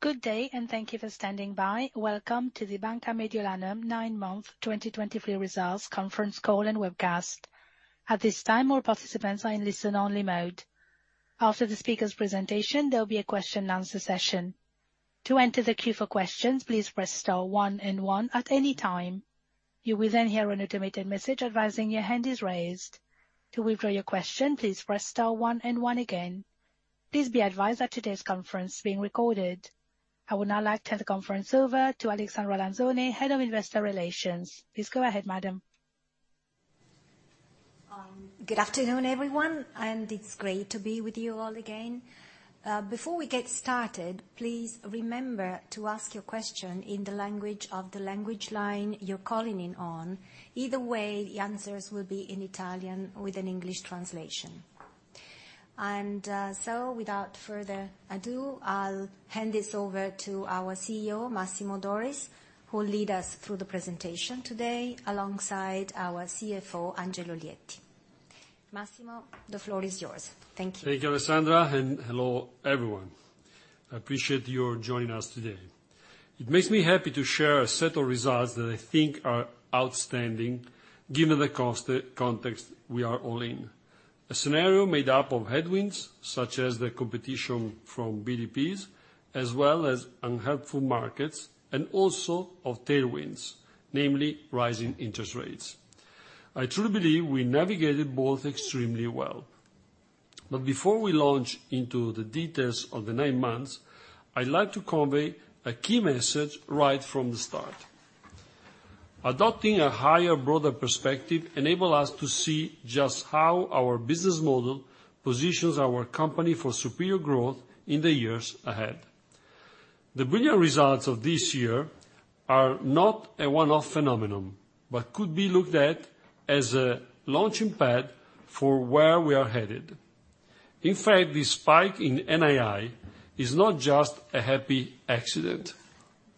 Good day, and thank you for standing by. Welcome to the Banca Mediolanum nine-month 2023 Results Conference Call and Webcast. At this time, all participants are in listen-only mode. After the speaker's presentation, there'll be a question and answer session. To enter the queue for questions, please press star one and one at any time. You will then hear an automated message advising your hand is raised. To withdraw your question, please press star one and one again. Please be advised that today's conference is being recorded. I would now like to hand the conference over to Alessandra Lanzone, Head of Investor Relations. Please go ahead, madam. Good afternoon, everyone, and it's great to be with you all again. Before we get started, please remember to ask your question in the language of the language line you're calling in on. Either way, the answers will be in Italian with an English translation. So without further ado, I'll hand this over to our CEO, Massimo Doris, who'll lead us through the presentation today, alongside our CFO, Angelo Lietti. Massimo, the floor is yours. Thank you. Thank you, Alessandra, and hello, everyone. I appreciate you joining us today. It makes me happy to share a set of results that I think are outstanding, given the context we are all in. A scenario made up of headwinds, such as the competition from BTPs, as well as unhelpful markets, and also of tailwinds, namely rising interest rates. I truly believe we navigated both extremely well. But before we launch into the details of the nine months, I'd like to convey a key message right from the start. Adopting a higher, broader perspective enable us to see just how our business model positions our company for superior growth in the years ahead. The brilliant results of this year are not a one-off phenomenon, but could be looked at as a launching pad for where we are headed. In fact, the spike in NII is not just a happy accident.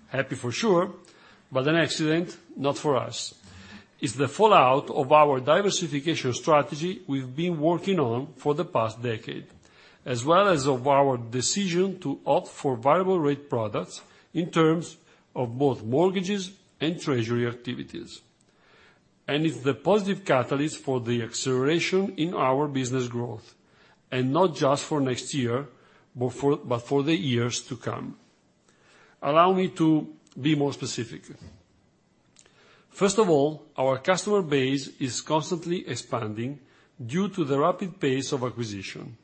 Happy for sure, but an accident, not for us. It's the fallout of our diversification strategy we've been working on for the past decade, as well as of our decision to opt for variable rate products in terms of both mortgages and treasury activities. And it's the positive catalyst for the acceleration in our business growth, and not just for next year, but for, but for the years to come. Allow me to be more specific. First of all, our customer base is constantly expanding due to the rapid pace of acquisition,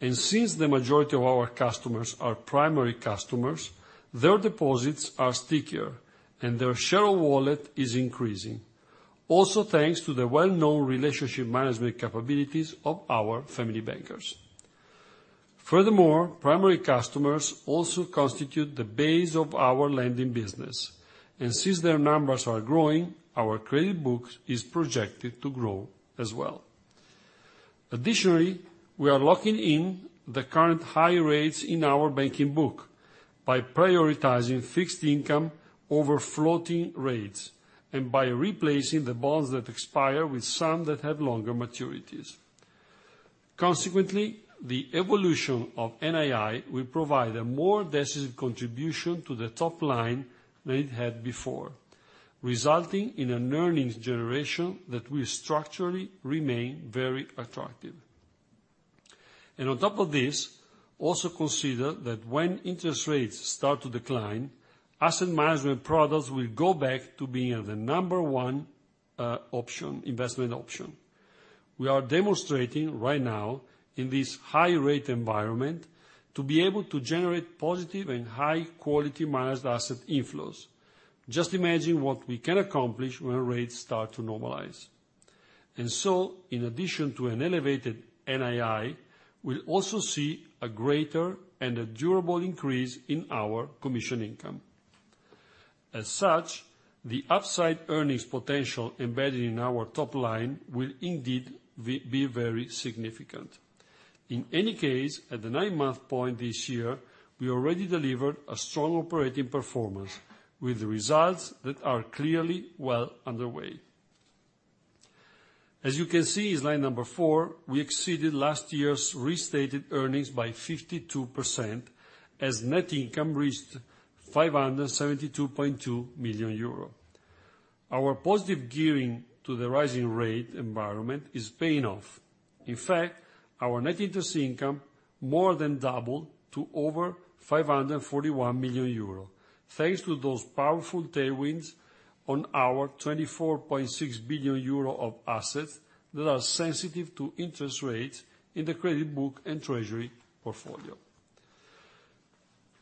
and since the majority of our customers are primary customers, their deposits are stickier and their share of wallet is increasing. Also, thanks to the well-known relationship management capabilities of our family bankers. Furthermore, primary customers also constitute the base of our lending business, and since their numbers are growing, our credit book is projected to grow as well. Additionally, we are locking in the current high rates in our banking book by prioritizing fixed income over floating rates, and by replacing the bonds that expire with some that have longer maturities. Consequently, the evolution of NII will provide a more decisive contribution to the top line than it had before, resulting in an earnings generation that will structurally remain very attractive. And on top of this, also consider that when interest rates start to decline, asset management products will go back to being the number one, option, investment option. We are demonstrating right now in this high-rate environment, to be able to generate positive and high-quality managed asset inflows. Just imagine what we can accomplish when rates start to normalize. So, in addition to an elevated NII, we'll also see a greater and a durable increase in our commission income. As such, the upside earnings potential embedded in our top line will indeed be very significant. In any case, at the 9-month point this year, we already delivered a strong operating performance with results that are clearly well underway. As you can see, in slide number four, we exceeded last year's restated earnings by 52%, as net income reached 572.2 million euro. Our positive gearing to the rising rate environment is paying off. In fact, our net interest income more than doubled to over 541 million euro, thanks to those powerful tailwinds on our 24.6 billion euro of assets that are sensitive to interest rates in the credit book and treasury portfolio.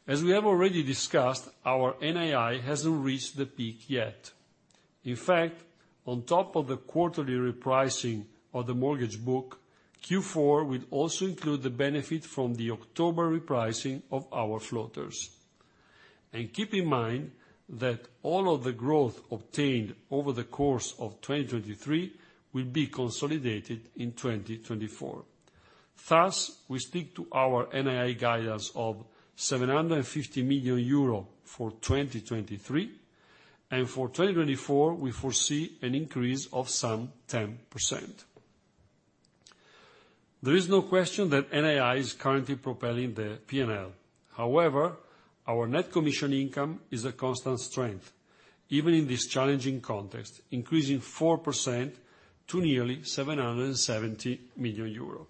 As we have already discussed, our NII hasn't reached the peak yet. In fact, on top of the quarterly repricing of the mortgage book, Q4 will also include the benefit from the October repricing of our floaters. Keep in mind that all of the growth obtained over the course of 2023 will be consolidated in 2024. Thus, we stick to our NII guidance of 750 million euro for 2023, and for 2024, we foresee an increase of some 10%. There is no question that NII is currently propelling the P&L. However, our net commission income is a constant strength, even in this challenging context, increasing 4% to nearly 770 million euros.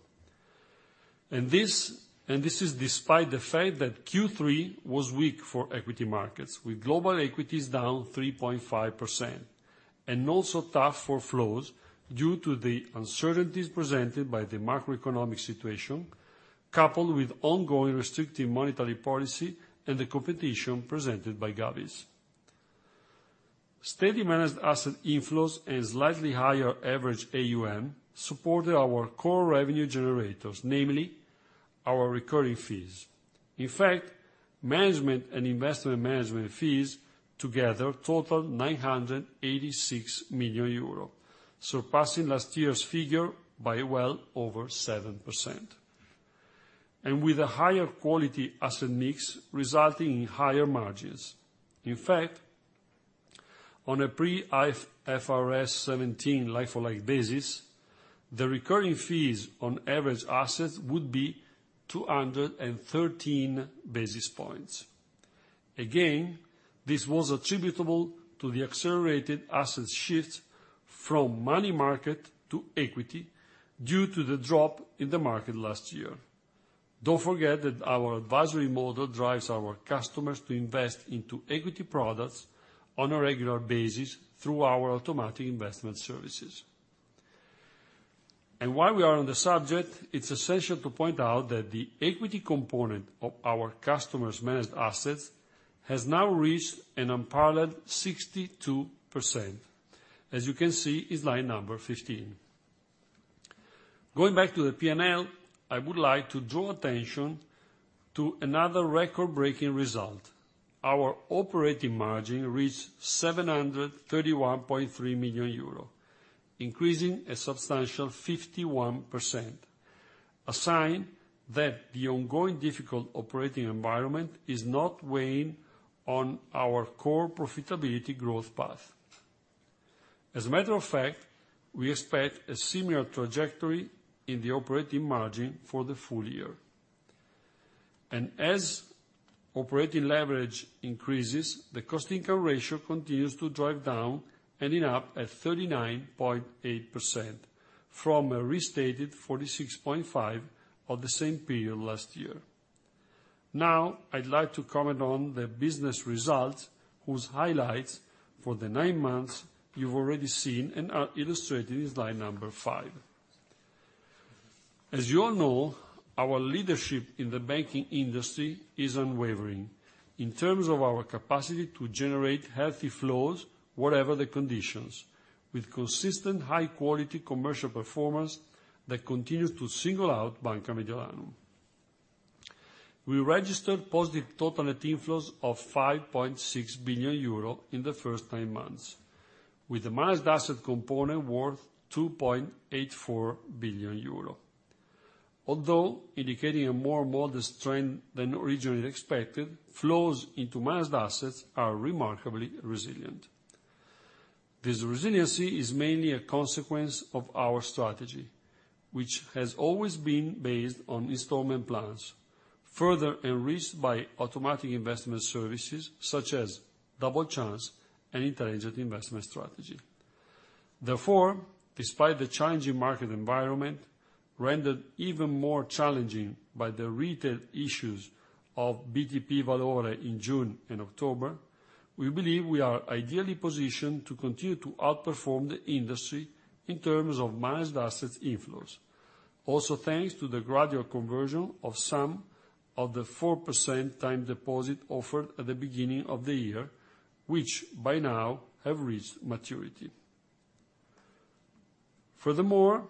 And this, and this is despite the fact that Q3 was weak for equity markets, with global equities down 3.5%, and also tough for flows due to the uncertainties presented by the macroeconomic situation, coupled with ongoing restrictive monetary policy and the competition presented by Gavies. Steady managed asset inflows and slightly higher average AUM supported our core revenue generators, namely our recurring fees. In fact, management and investment management fees together totaled 986 million euro, surpassing last year's figure by well over 7%, and with a higher quality asset mix, resulting in higher margins. In fact, on a pre-IFRS 17 life-for-life basis, the recurring fees on average assets would be 213 basis points. Again, this was attributable to the accelerated asset shifts from money market to equity, due to the drop in the market last year. Don't forget that our advisory model drives our customers to invest into equity products on a regular basis through our automatic investment services. And while we are on the subject, it's essential to point out that the equity component of our customers' managed assets has now reached an unparalleled 62%. As you can see, it's line number 15. Going back to the P&L, I would like to draw attention to another record-breaking result. Our operating margin reached 731.3 million euro, increasing a substantial 51%, a sign that the ongoing difficult operating environment is not weighing on our core profitability growth path. As a matter of fact, we expect a similar trajectory in the operating margin for the full year. As operating leverage increases, the cost income ratio continues to drive down, ending up at 39.8% from a restated 46.5% of the same period last year. Now, I'd like to comment on the business results, whose highlights for the nine months you've already seen and are illustrated in slide number five. As you all know, our leadership in the banking industry is unwavering in terms of our capacity to generate healthy flows, whatever the conditions, with consistent high-quality commercial performance that continues to single out Banca Mediolanum. We registered positive total net inflows of 5.6 billion euro in the first nine months, with the managed asset component worth 2.84 billion euro. Although indicating a more modest trend than originally expected, flows into managed assets are remarkably resilient. This resiliency is mainly a consequence of our strategy, which has always been based on installment plans, further enriched by automatic investment services, such as Double Chance and Intelligent Investment Strategy. Therefore, despite the challenging market environment, rendered even more challenging by the retail issues of BTP Valore in June and October, we believe we are ideally positioned to continue to outperform the industry in terms of managed asset inflows. Also, thanks to the gradual conversion of some of the 4% time deposit offered at the beginning of the year, which by now have reached maturity. Furthermore,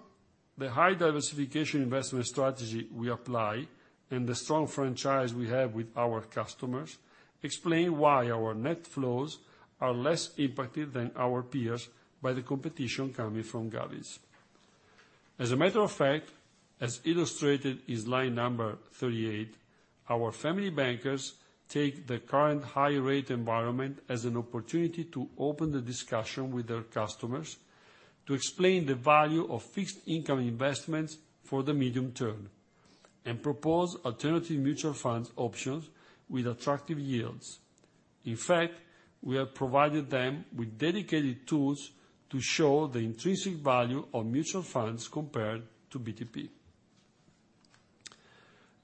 the high diversification investment strategy we apply and the strong franchise we have with our customers, explain why our net flows are less impacted than our peers by the competition coming from Gavies. As a matter of fact, as illustrated in slide number 38, our Family Bankers take the current high rate environment as an opportunity to open the discussion with their customers, to explain the value of fixed income investments for the medium term, and propose alternative mutual fund options with attractive yields. In fact, we have provided them with dedicated tools to show the intrinsic value of mutual funds compared to BTP.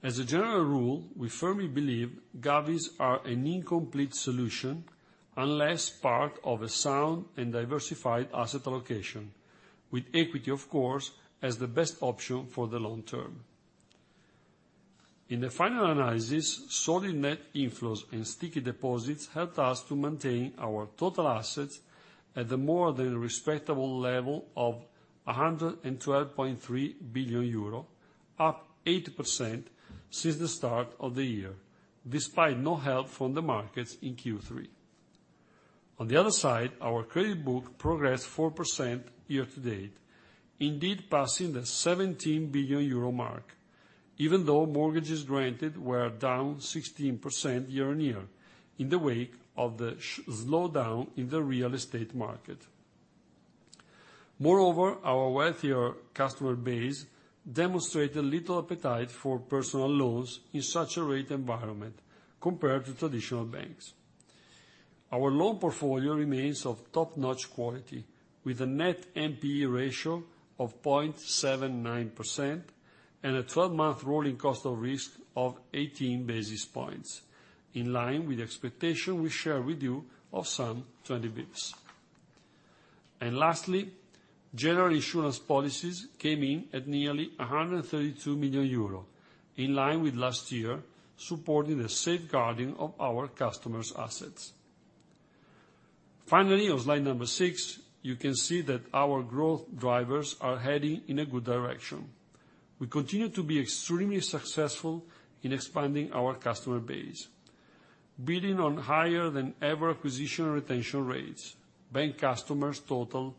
As a general rule, we firmly believe govvies are an incomplete solution unless part of a sound and diversified asset allocation, with equity, of course, as the best option for the long term. In the final analysis, solid net inflows and sticky deposits helped us to maintain our total assets at the more than respectable level of 112.3 billion euro, up 80% since the start of the year, despite no help from the markets in Q3. On the other side, our credit book progressed 4% year-to-date, indeed, passing the 17 billion euro mark, even though mortgages granted were down 16% year-on-year, in the wake of the slowdown in the real estate market. Moreover, our wealthier customer base demonstrated little appetite for personal loans in such a rate environment, compared to traditional banks. Our loan portfolio remains of top-notch quality, with a net NPE ratio of 0.79%, and a 12-month rolling cost of risk of 18 basis points, in line with the expectation we share with you of some 20 basis points. Lastly, general insurance policies came in at nearly 132 million euro, in line with last year, supporting the safeguarding of our customers' assets. Finally, on slide number six, you can see that our growth drivers are heading in a good direction. We continue to be extremely successful in expanding our customer base. Building on higher than ever acquisition retention rates, bank customers total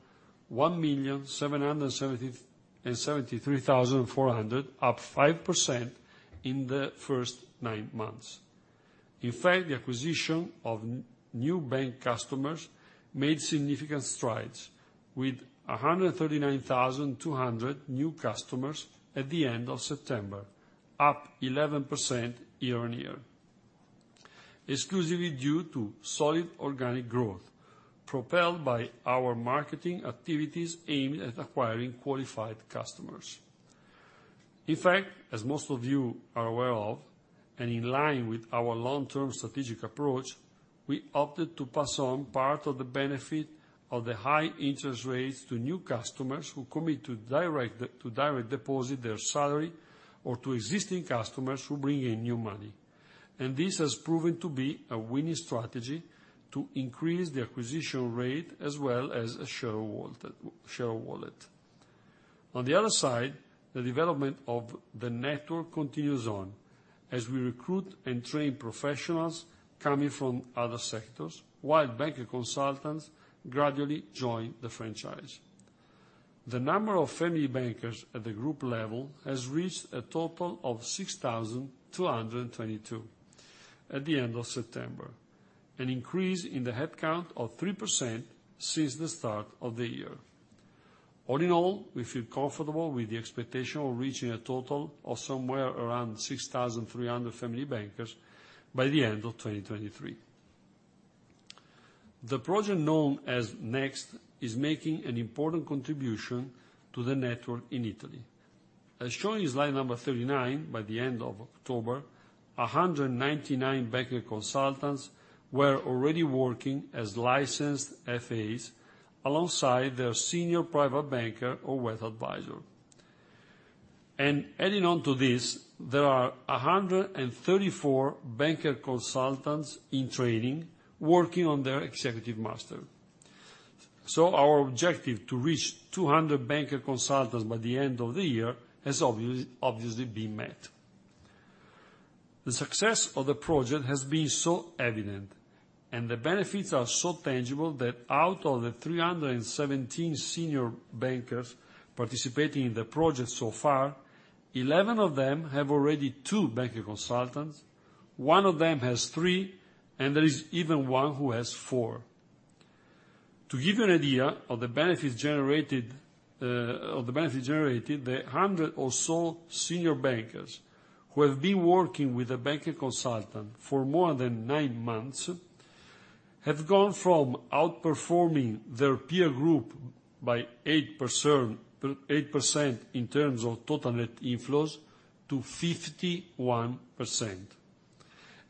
1,773,400, up 5% in the first nine months. In fact, the acquisition of new bank customers made significant strides, with 139,200 new customers at the end of September, up 11% year-on-year, exclusively due to solid organic growth, propelled by our marketing activities aimed at acquiring qualified customers. In fact, as most of you are aware of, and in line with our long-term strategic approach, we opted to pass on part of the benefit of the high interest rates to new customers who commit to direct deposit their salary, or to existing customers who bring in new money. This has proven to be a winning strategy to increase the acquisition rate, as well as the share of wallet. On the other side, the development of the network continues on, as we recruit and train professionals coming from other sectors, while Banker Consultants gradually join the franchise. The number of Family Bankers at the group level has reached a total of 6,222 at the end of September, an increase in the headcount of 3% since the start of the year. All in all, we feel comfortable with the expectation of reaching a total of somewhere around 6,300 Family Bankers by the end of 2023. The project known as Next is making an important contribution to the network in Italy. As shown in slide number 39, by the end of October, 199 Banker Consultants were already working as licensed FAs alongside their senior private banker or wealth advisor. Adding on to this, there are 134 Banker Consultants in training, working on their executive master. Our objective to reach 200 Banker Consultants by the end of the year has obviously been met. The success of the project has been so evident, and the benefits are so tangible, that out of the 317 senior bankers participating in the project so far, 11 of them have already two Banker Consultants, one of them has three, and there is even one who has four. To give you an idea of the benefits generated, of the benefits generated, the 100 or so senior bankers who have been working with a banker consultant for more than nine months have gone from outperforming their peer group by 8%, 8% in terms of total net inflows to 51%.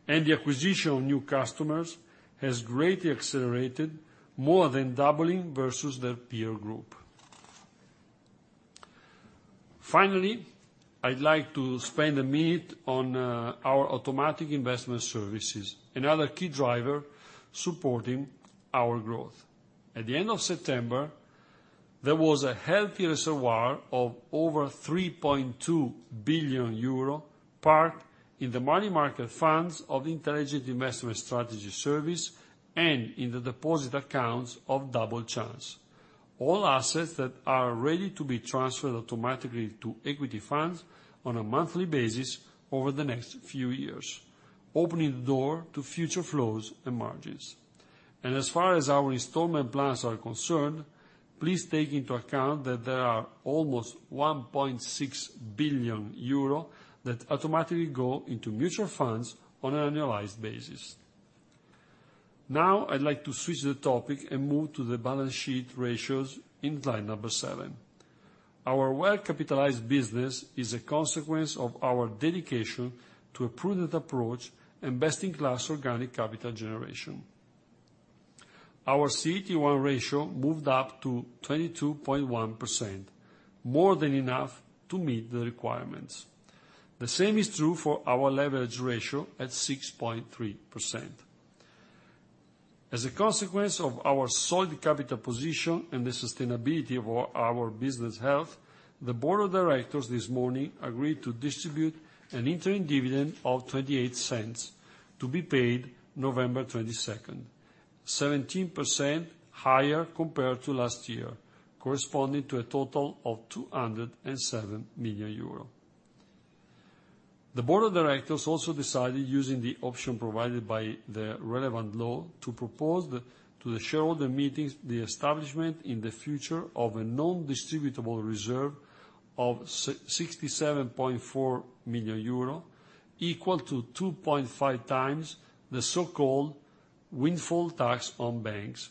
The acquisition of new customers has greatly accelerated, more than doubling versus their peer group. Finally, I'd like to spend a minute on our automatic investment services, another key driver supporting our growth. At the end of September, there was a healthy reservoir of over 3.2 billion euro parked in the money market funds of the Intelligent Investment Strategy service, and in the deposit accounts of Double Chance. All assets that are ready to be transferred automatically to equity funds on a monthly basis over the next few years, opening the door to future flows and margins. As far as our installment plans are concerned, please take into account that there are almost 1.6 billion euro that automatically go into mutual funds on an annualized basis. Now, I'd like to switch the topic and move to the balance sheet ratios in slide number seven. Our well-capitalized business is a consequence of our dedication to a prudent approach and best-in-class organic capital generation. Our CET1 ratio moved up to 22.1%, more than enough to meet the requirements. The same is true for our leverage ratio at 6.3%. As a consequence of our solid capital position and the sustainability of our business health, the board of directors this morning agreed to distribute an interim dividend of 0.28 to be paid November twenty-second, 17% higher compared to last year, corresponding to a total of 207 million euro. The board of directors also decided, using the option provided by the relevant law, to propose the, to the shareholder meetings, the establishment in the future of a non-distributable reserve of 67.4 million euro, equal to 2.5x the so-called windfall tax on banks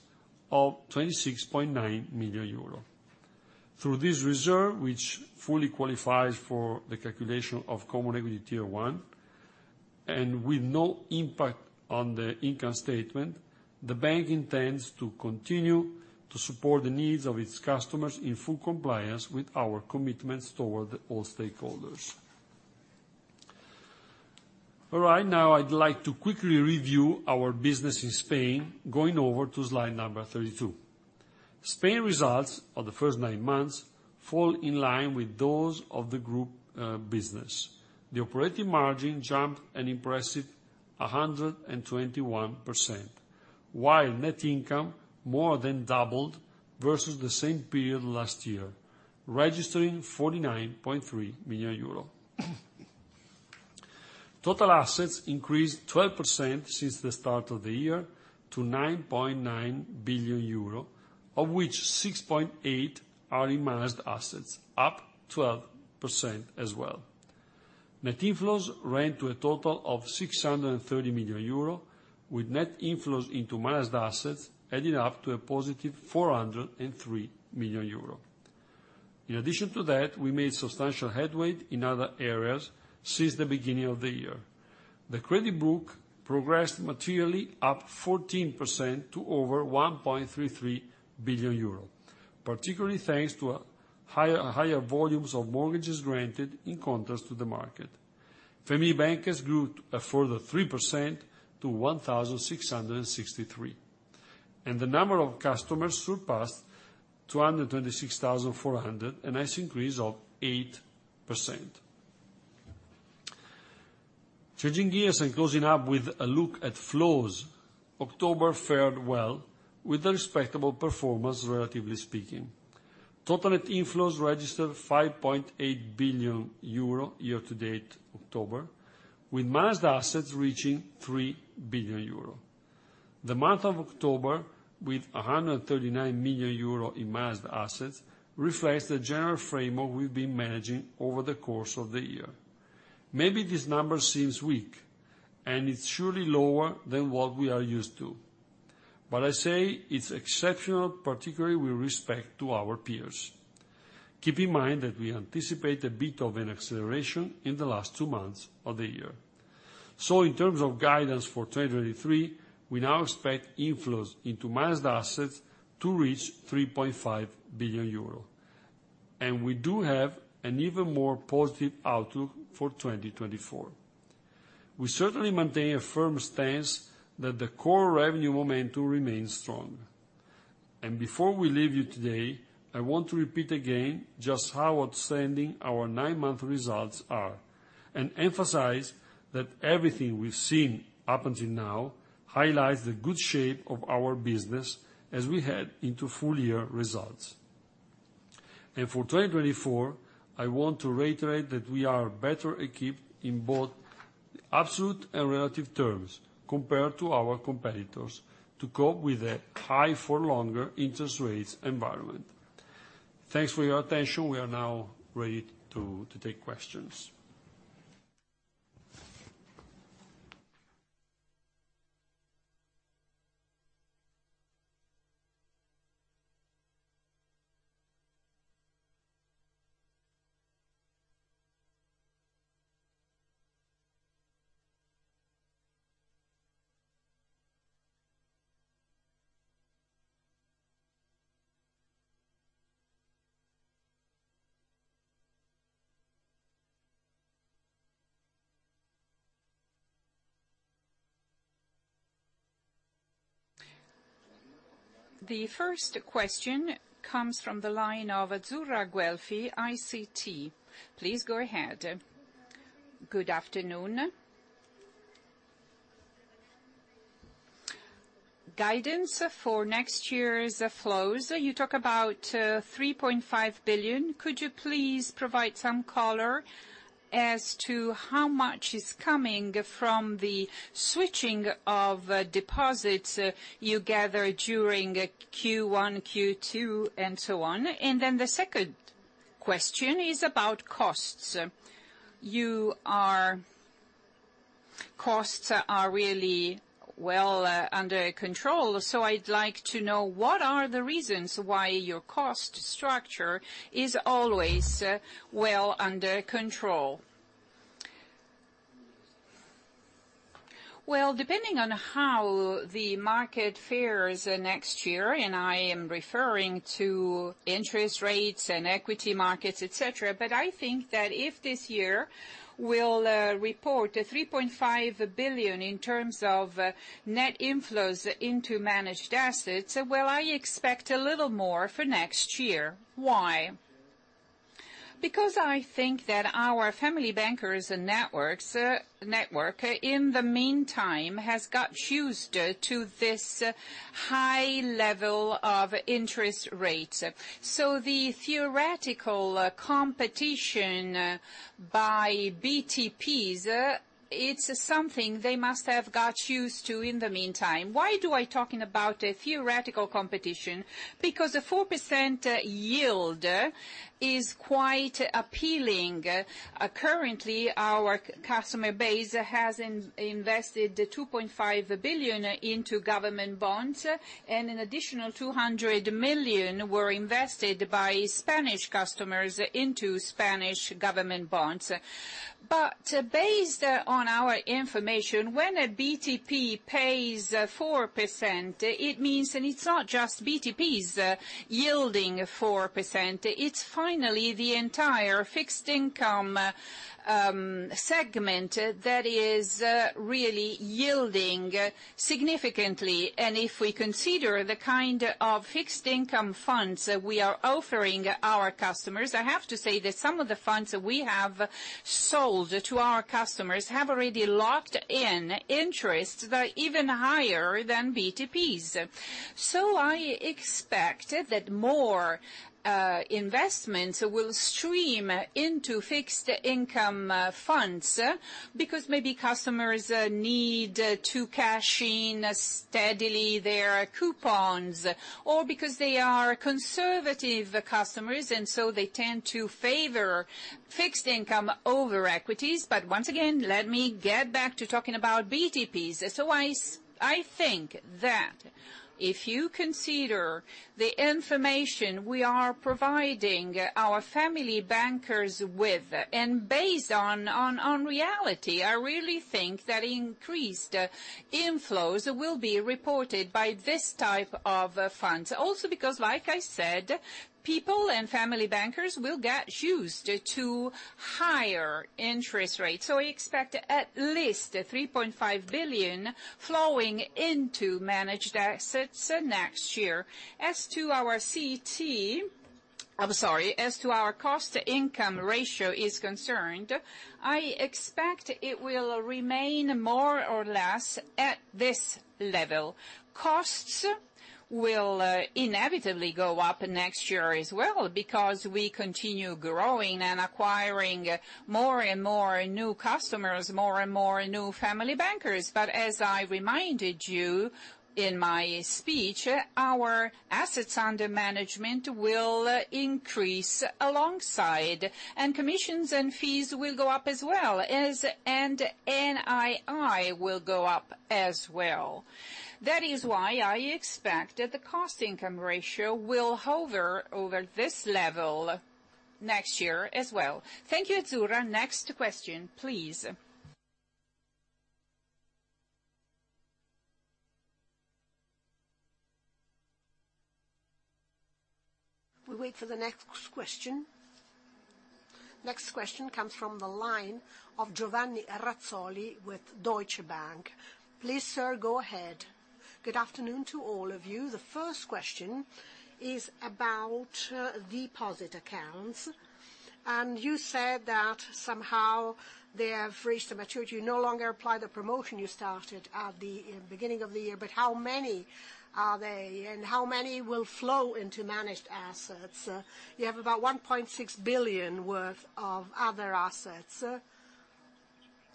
of 26.9 million euro. Through this reserve, which fully qualifies for the calculation of Common Equity Tier 1, and with no impact on the income statement, the bank intends to continue to support the needs of its customers in full compliance with our commitments toward all stakeholders. All right, now I'd like to quickly review our business in Spain, going over to slide number 32. Spain results of the first nine months fall in line with those of the group, business. The operating margin jumped an impressive 121%, while net income more than doubled versus the same period last year, registering 49.3 million euros. Total assets increased 12% since the start of the year to 9.9 billion euro, of which 6.8 billion are in managed assets, up 12% as well. Net inflows ran to a total of 630 million euro, with net inflows into managed assets adding up to a positive 403 million euro. In addition to that, we made substantial headway in other areas since the beginning of the year. The credit book progressed materially, up 14% to over 1.33 billion euro, particularly thanks to higher volumes of mortgages granted in contrast to the market. Family Bankers grew a further 3% to 1,663, and the number of customers surpassed 226,400, a nice increase of 8%. Changing gears and closing up with a look at flows, October fared well with a respectable performance, relatively speaking. Total net inflows registered 5.8 billion euro year to date, October, with managed assets reaching 3 billion euro. The month of October, with 139 million euro in managed assets, reflects the general framework we've been managing over the course of the year. Maybe this number seems weak, and it's surely lower than what we are used to, but I say it's exceptional, particularly with respect to our peers. Keep in mind that we anticipate a bit of an acceleration in the last two months of the year. So in terms of guidance for 2023, we now expect inflows into managed assets to reach 3.5 billion euro, and we do have an even more positive outlook for 2024. We certainly maintain a firm stance that the core revenue momentum remains strong. And before we leave you today, I want to repeat again just how outstanding our nine-month results are, and emphasize that everything we've seen up until now highlights the good shape of our business as we head into full year results. And for 2024, I want to reiterate that we are better equipped in both absolute and relative terms, compared to our competitors, to cope with a high for longer interest rates environment. Thanks for your attention. We are now ready to take questions. The first question comes from the line of Azzurra Guelfi, Citi. Please go ahead. Good afternoon. Guidance for next year's flows, you talk about 3.5 billion. Could you please provide some color as to how much is coming from the switching of deposits you gather during Q1, Q2, and so on? And then the second question is about costs. Costs are really well under control, so I'd like to know, what are the reasons why your cost structure is always well under control? Well, depending on how the market fares next year, and I am referring to interest rates and equity markets, et cetera, but I think that if this year will report a 3.5 billion in terms of net inflows into managed assets, well, I expect a little more for next year. Why? Because I think that our Family Bankers and networks, network, in the meantime, has got used to this high level of interest rate. So the theoretical competition by BTPs, it's something they must have got used to in the meantime. Why do I talking about a theoretical competition? Because a 4% yield is quite appealing. Currently, our customer base has invested 2.5 billion into government bonds, and an additional 200 million were invested by Spanish customers into Spanish government bonds. But based on our information, when a BTP pays 4%, it means, and it's not just BTPs yielding 4%, it's finally the entire fixed income segment that is really yielding significantly. If we consider the kind of fixed income funds that we are offering our customers, I have to say that some of the funds that we have sold to our customers have already locked in interests that are even higher than BTPs. So I expect that more investments will stream into fixed income funds, because maybe customers need to cash in steadily their coupons, or because they are conservative customers, and so they tend to favor fixed income over equities. But once again, let me get back to talking about BTPs. So I think that if you consider the information we are providing our Family Bankers with, and based on reality, I really think that increased inflows will be reported by this type of funds. Also, because like I said, people and Family Bankers will get used to higher interest rates. So we expect at least 3.5 billion flowing into managed assets next year. As to our CT, I'm sorry, as to our cost-to-income ratio is concerned, I expect it will remain more or less at this level. Costs will inevitably go up next year as well, because we continue growing and acquiring more and more new customers, more and more new family bankers. But as I reminded you in my speech, our assets under management will increase alongside, and commissions and fees will go up as well, as and NII will go up as well. That is why I expect that the cost-income ratio will hover over this level next year as well. Thank you, Azzurra. Next question, please. We wait for the next question. Next question comes from the line of Giovanni Razzoli with Deutsche Bank. Please, sir, go ahead. Good afternoon to all of you. The first question is about deposit accounts, and you said that somehow they have reached a maturity. You no longer apply the promotion you started at the beginning of the year, but how many are they, and how many will flow into managed assets? You have about 1.6 billion worth of other assets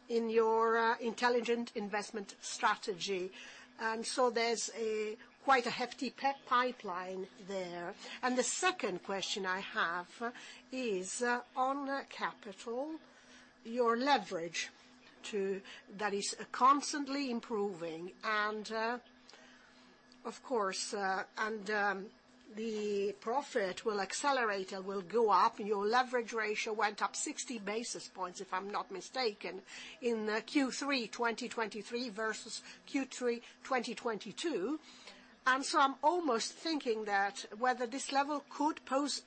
in your Intelligent Investment Strategy, and so there's quite a hefty pipeline there. The second question I have is on capital, your leverage ratio that is constantly improving, and, of course, and, the profit will accelerate and will go up. Your leverage ratio went up 60 basis points, if I'm not mistaken, in Q3 2023 versus Q3 2022. I'm almost thinking that whether this level could pose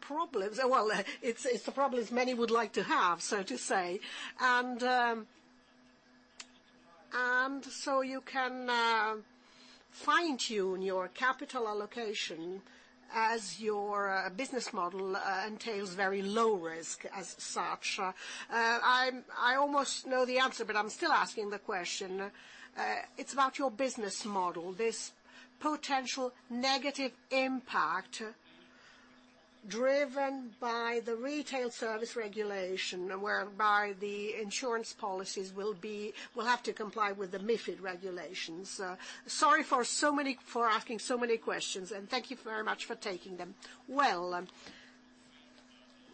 problems. Well, it's the problems many would like to have, so to say. You can fine-tune your capital allocation as your business model entails very low risk as such. I almost know the answer, but I'm still asking the question. It's about your business model, this potential negative impact driven by the retail service regulation, whereby the insurance policies will have to comply with the MiFID regulations. Sorry for asking so many questions, and thank you very much for taking them. Well,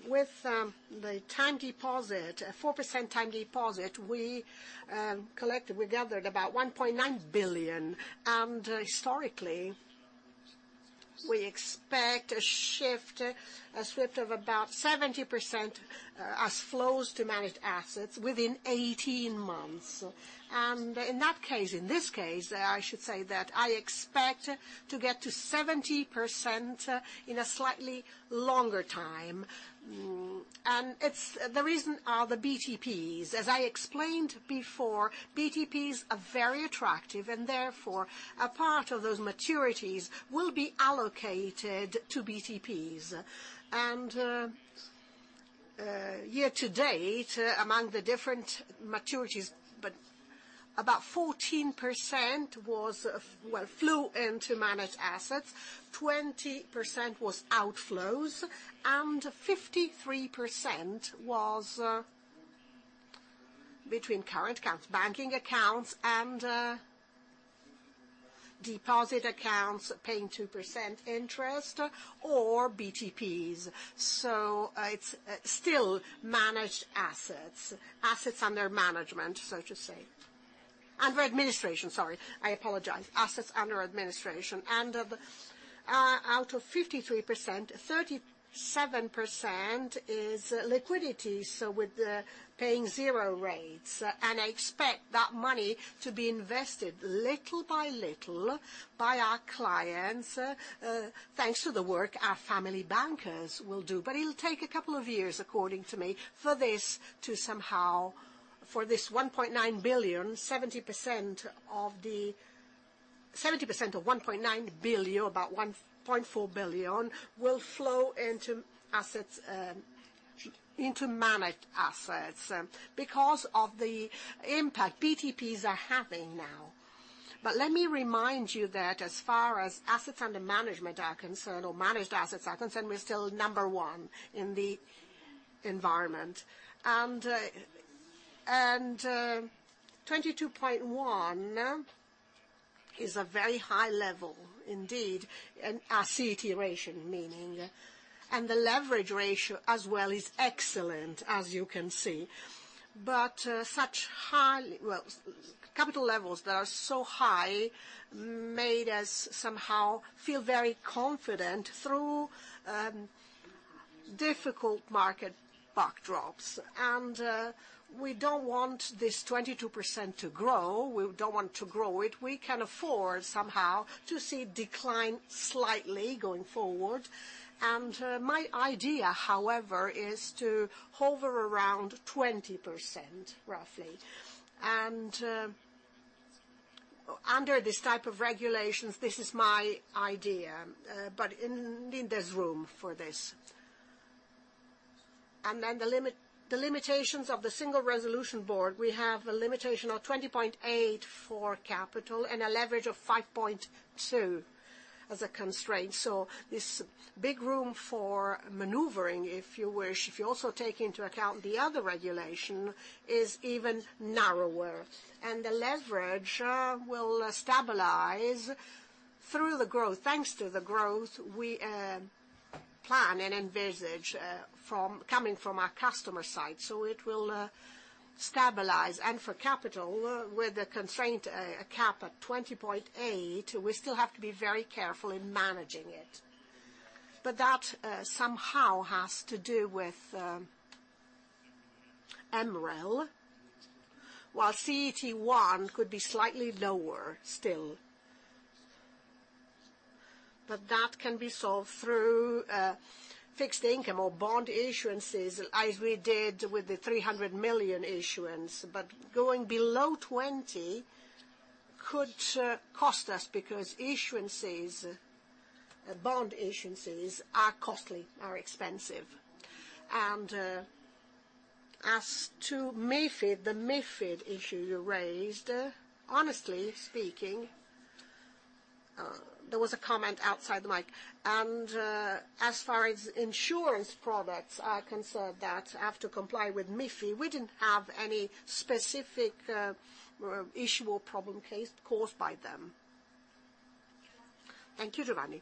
with the time deposit, a 4% time deposit, we collected, we gathered about 1.9 billion, and historically, we expect a shift, a shift of about 70% as flows to managed assets within 18 months. In that case, in this case, I should say that I expect to get to 70% in a slightly longer time. It's the reason are the BTPs. As I explained before, BTPs are very attractive, and therefore, a part of those maturities will be allocated to BTPs and year-to-date, among the different maturities, but about 14% was, well, flew into managed assets, 20% was outflows, and 53% was, between current accounts, banking accounts, and, deposit accounts paying 2% interest or BTPs. So, it's still managed assets, assets under management, so to say. Under administration, sorry, I apologize, assets under administration. And, out of 53%, 37% is liquidity, so with the paying 0% rates, and I expect that money to be invested little by little by our clients, thanks to the work our family bankers will do. But it'll take a couple of years, according to me, for this to somehow, for this 1.9 billion, 70% of 1.9 billion, about 1.4 billion, will flow into assets, into managed assets, because of the impact BTPs are having now. But let me remind you that as far as assets under management are concerned, or managed assets are concerned, we're still number one in the environment. And 22.1 is a very high level indeed, and our CET ratio meaning, and the leverage ratio as well is excellent, as you can see. But such high, well, capital levels that are so high, made us somehow feel very confident through difficult market backdrops. And we don't want this 22% to grow. We don't want to grow it. We can afford somehow to see it decline slightly going forward. And, my idea, however, is to hover around 20%, roughly. And, under this type of regulations, this is my idea, but there's room for this. And then the limit, the limitations of the Single Resolution Board, we have a limitation of 20.8 for capital and a leverage of 5.2 as a constraint. So this big room for maneuvering, if you wish, if you also take into account the other regulation, is even narrower, and the leverage will stabilize through the growth. Thanks to the growth, we plan and envisage, coming from our customer side, so it will stabilize. And for capital, with the constraint, a cap at 20.8, we still have to be very careful in managing it. But that somehow has to do with MREL, while CET1 could be slightly lower still. But that can be solved through fixed income or bond issuances, as we did with the 300 million issuance. But going below 20 could cost us, because issuances, bond issuances, are costly, are expensive. And as to MiFID, the MiFID issue you raised, honestly speaking, there was a comment outside the mic. And as far as insurance products are concerned, that have to comply with MiFID, we didn't have any specific issue or problem case caused by them. Thank you, Giovanni.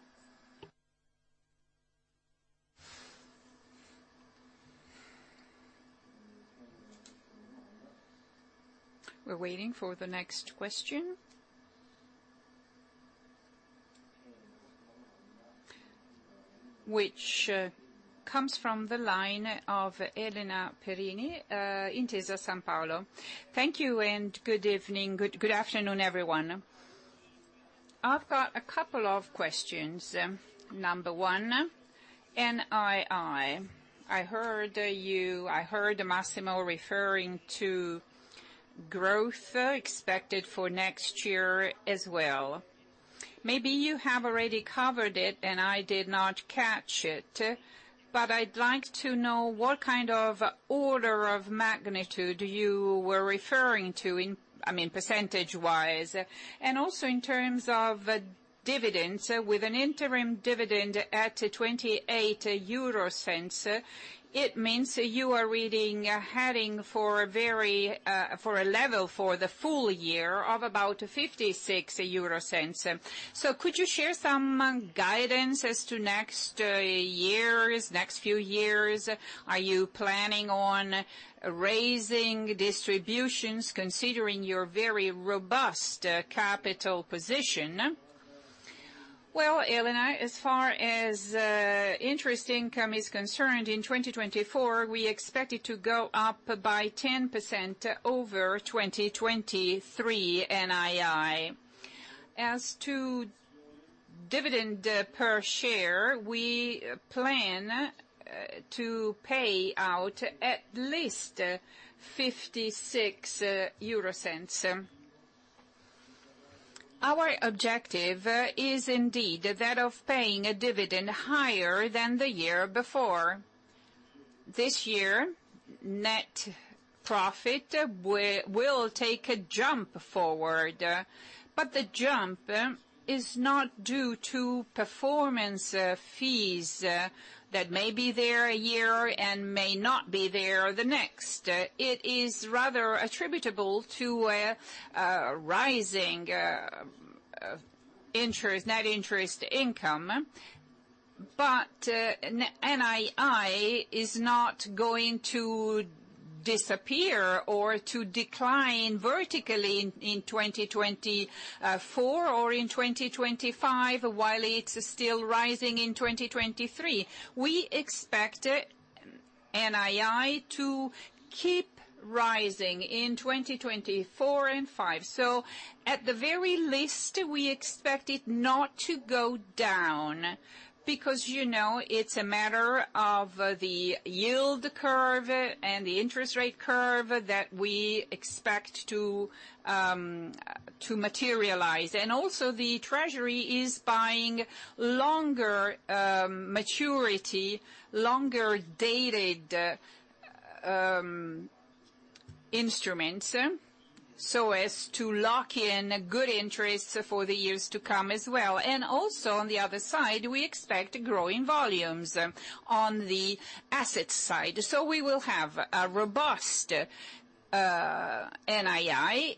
We're waiting for the next question. Which comes from the line of Elena Perini, Intesa Sanpaolo. Thank you and good evening. Good afternoon, everyone. I've got a couple of questions. Number 1, NII. I heard you, I heard Massimo referring to growth expected for next year as well. Maybe you have already covered it, and I did not catch it, but I'd like to know what kind of order of magnitude you were referring to in, I mean, percentage-wise. And also in terms of dividends, with an interim dividend at 0.28, it means you are heading for a level for the full year of about 0.56. So could you share some guidance as to next years, next few years? Are you planning on raising distributions, considering your very robust capital position? Well, Elena, as far as interest income is concerned, in 2024, we expect it to go up by 10% over 2023 NII. As to dividend per share, we plan to pay out at least 0.56. Our objective is indeed that of paying a dividend higher than the year before. This year, net profit will take a jump forward, but the jump is not due to performance fees that may be there a year and may not be there the next. It is rather attributable to a rising interest net interest income. But NII is not going to disappear or to decline vertically in 2024 or in 2025, while it's still rising in 2023. We expect NII to keep rising in 2024 and 2025. So at the very least, we expect it not to go down, because, you know, it's a matter of the yield curve and the interest rate curve that we expect to materialize. And also, the Treasury is buying longer maturity, longer-dated instruments, so as to lock in good interest for the years to come as well. And also, on the other side, we expect growing volumes on the asset side. So we will have a robust NII,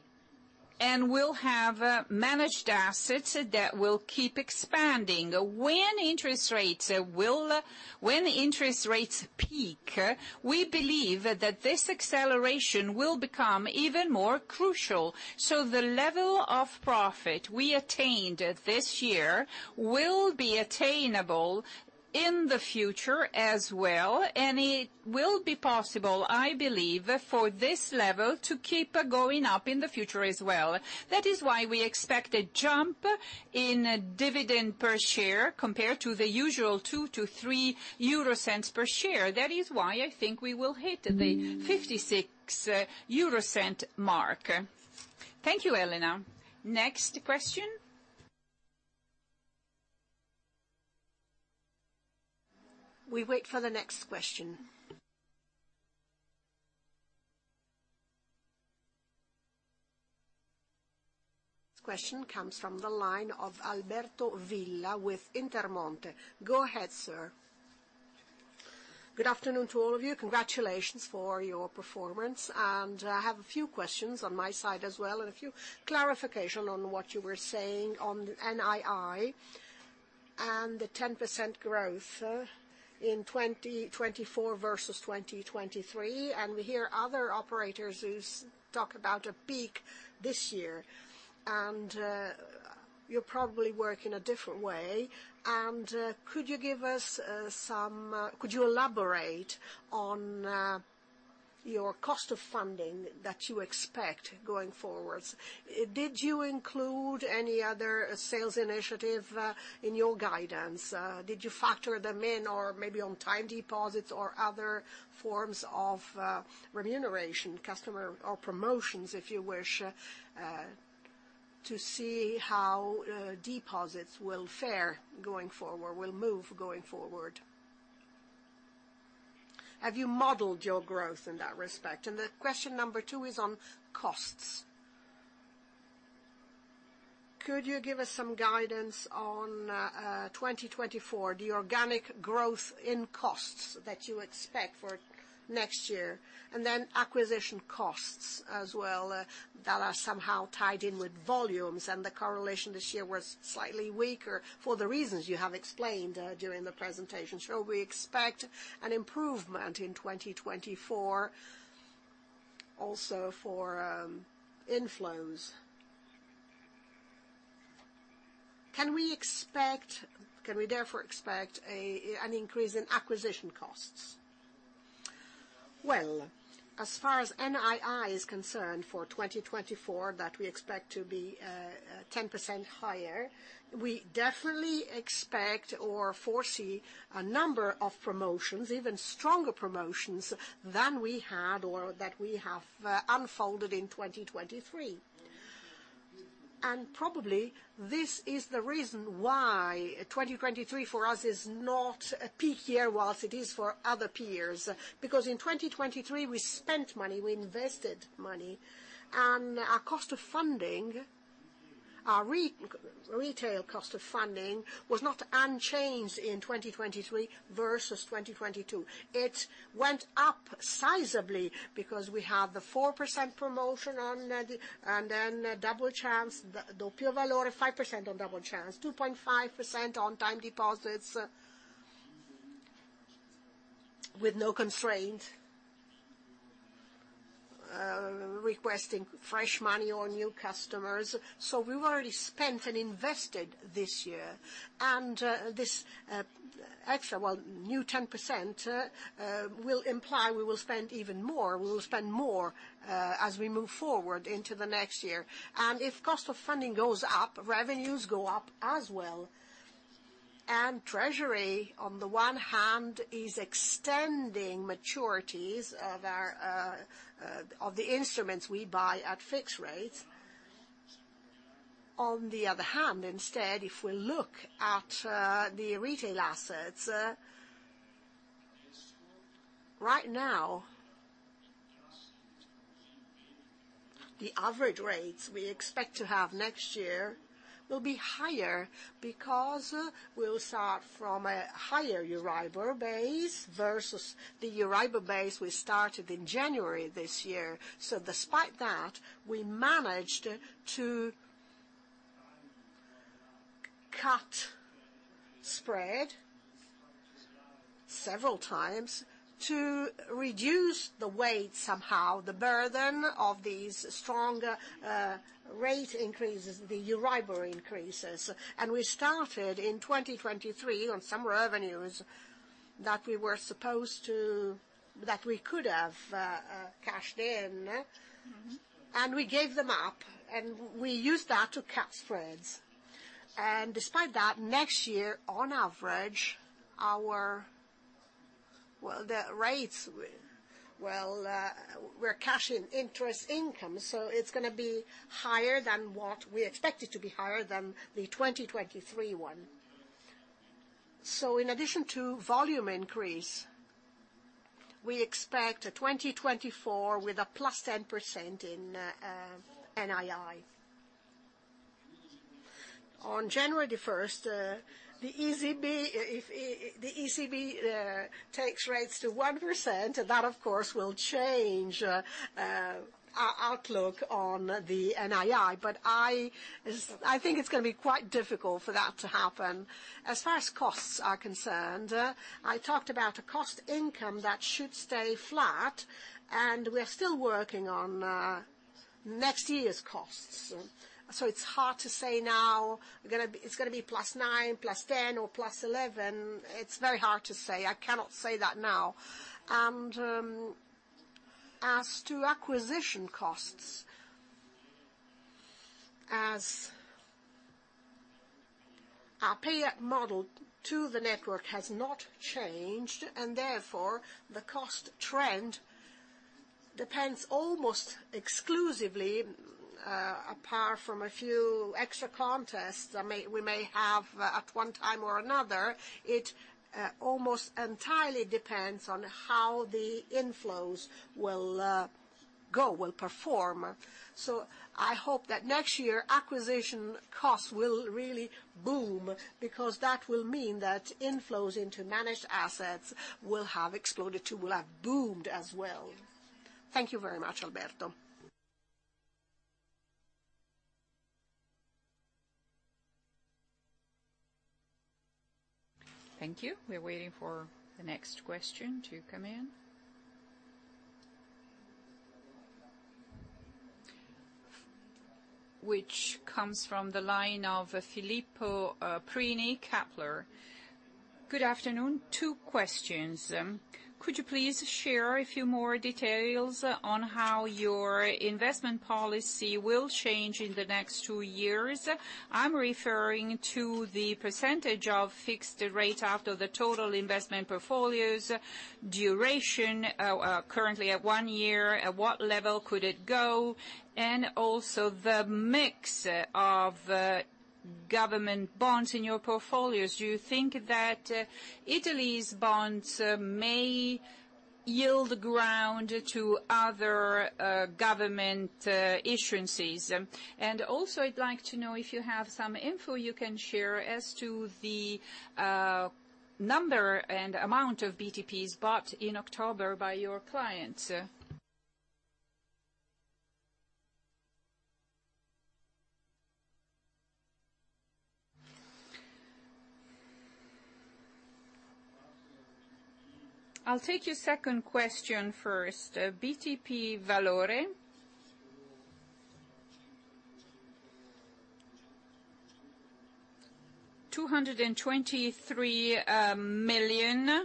and we'll have managed assets that will keep expanding. When interest rates will, when interest rates peak, we believe that this acceleration will become even more crucial. So the level of profit we attained this year will be attainable in the future as well, and it will be possible, I believe, for this level to keep going up in the future as well. That is why we expect a jump in dividend per share compared to the usual 2-3 euro cents per share. That is why I think we will hit the 56 euro cent mark. Thank you, Elena. Next question? We wait for the next question. Question comes from the line of Alberto Villa with Intermonte. Go ahead, sir. Good afternoon to all of you. Congratulations for your performance, and I have a few questions on my side as well, and a few clarification on what you were saying on NII and the 10% growth in 2024 versus 2023. And we hear other operators who talk about a peak this year, and you probably work in a different way. Could you give us some, could you elaborate on your cost of funding that you expect going forward? Did you include any other sales initiative in your guidance? Did you factor them in, or maybe on time deposits, or other forms of remuneration, customer, or promotions, if you wish, to see how deposits will fare going forward, will move going forward? Have you modeled your growth in that respect? And the question number two is on costs. Could you give us some guidance on 2024, the organic growth in costs that you expect for next year, and then acquisition costs as well, that are somehow tied in with volumes, and the correlation this year was slightly weaker for the reasons you have explained during the presentation. Shall we expect an improvement in 2024, also for inflows? Can we expect, can we therefore expect an increase in acquisition costs? Well, as far as NII is concerned, for 2024, that we expect to be 10% higher, we definitely expect or foresee a number of promotions, even stronger promotions than we had or that we have unfolded in 2023. And probably this is the reason why 2023 for us is not a peak year, whilst it is for other peers. Because in 2023, we spent money, we invested money, and our cost of funding, our retail cost of funding, was not unchanged in 2023 versus 2022. It went up sizably because we have the 4% promotion on the, and then Double Chance, the Doppio Valore, 5% on Double Chance, 2.5% on time deposits, with no constraint requesting fresh money or new customers. So we've already spent and invested this year, and this extra, well, new 10%, will imply we will spend even more. We will spend more, as we move forward into the next year. If cost of funding goes up, revenues go up as well. Treasury, on the one hand, is extending maturities of our, of the instruments we buy at fixed rates. On the other hand, instead, if we look at, the retail assets, right now, the average rates we expect to have next year will be higher because we'll start from a higher EURIBOR base versus the EURIBOR base we started in January this year. So despite that, we managed to cut spread several times to reduce the weight, somehow, the burden of these stronger, rate increases, the EURIBOR increases. And we started in 2023 on some revenues that we were supposed to- that we could have, cashed in, and we gave them up, and we used that to cut spreads. And despite that, next year, on average, our, well, the rates will, well, we're cashing interest income, so it's gonna be higher than what we expected to be higher than the 2023 one. So in addition to volume increase, we expect 2024 with a +10% in NII. On January the first, the ECB, if the ECB takes rates to 1%, that, of course, will change our outlook on the NII, but I think it's gonna be quite difficult for that to happen. As far as costs are concerned, I talked about a cost income that should stay flat, and we are still working on next year's costs. So it's hard to say now, gonna be. It's gonna be +9, +10, or +11. It's very hard to say. I cannot say that now. As to acquisition costs, as our pay model to the network has not changed, and therefore, the cost trend depends almost exclusively, apart from a few extra contests that may we may have at one time or another, it almost entirely depends on how the inflows will go, will perform. So I hope that next year, acquisition costs will really boom, because that will mean that inflows into managed assets will have exploded, too, will have boomed as well. Thank you very much, Alberto. Thank you. We're waiting for the next question to come in. Which comes from the line of Filippo Prini, Kepler. Good afternoon, two questions. Could you please share a few more details on how your investment policy will change in the next two years? I'm referring to the percentage of fixed rate out of the total investment portfolios, duration currently at one year, at what level could it go, and also the mix of government bonds in your portfolios. Do you think that Italy's bonds may yield ground to other government issuances? And also, I'd like to know if you have some info you can share as to the number and amount of BTPs bought in October by your clients. I'll take your second question first. BTP Valore. EUR 223 million.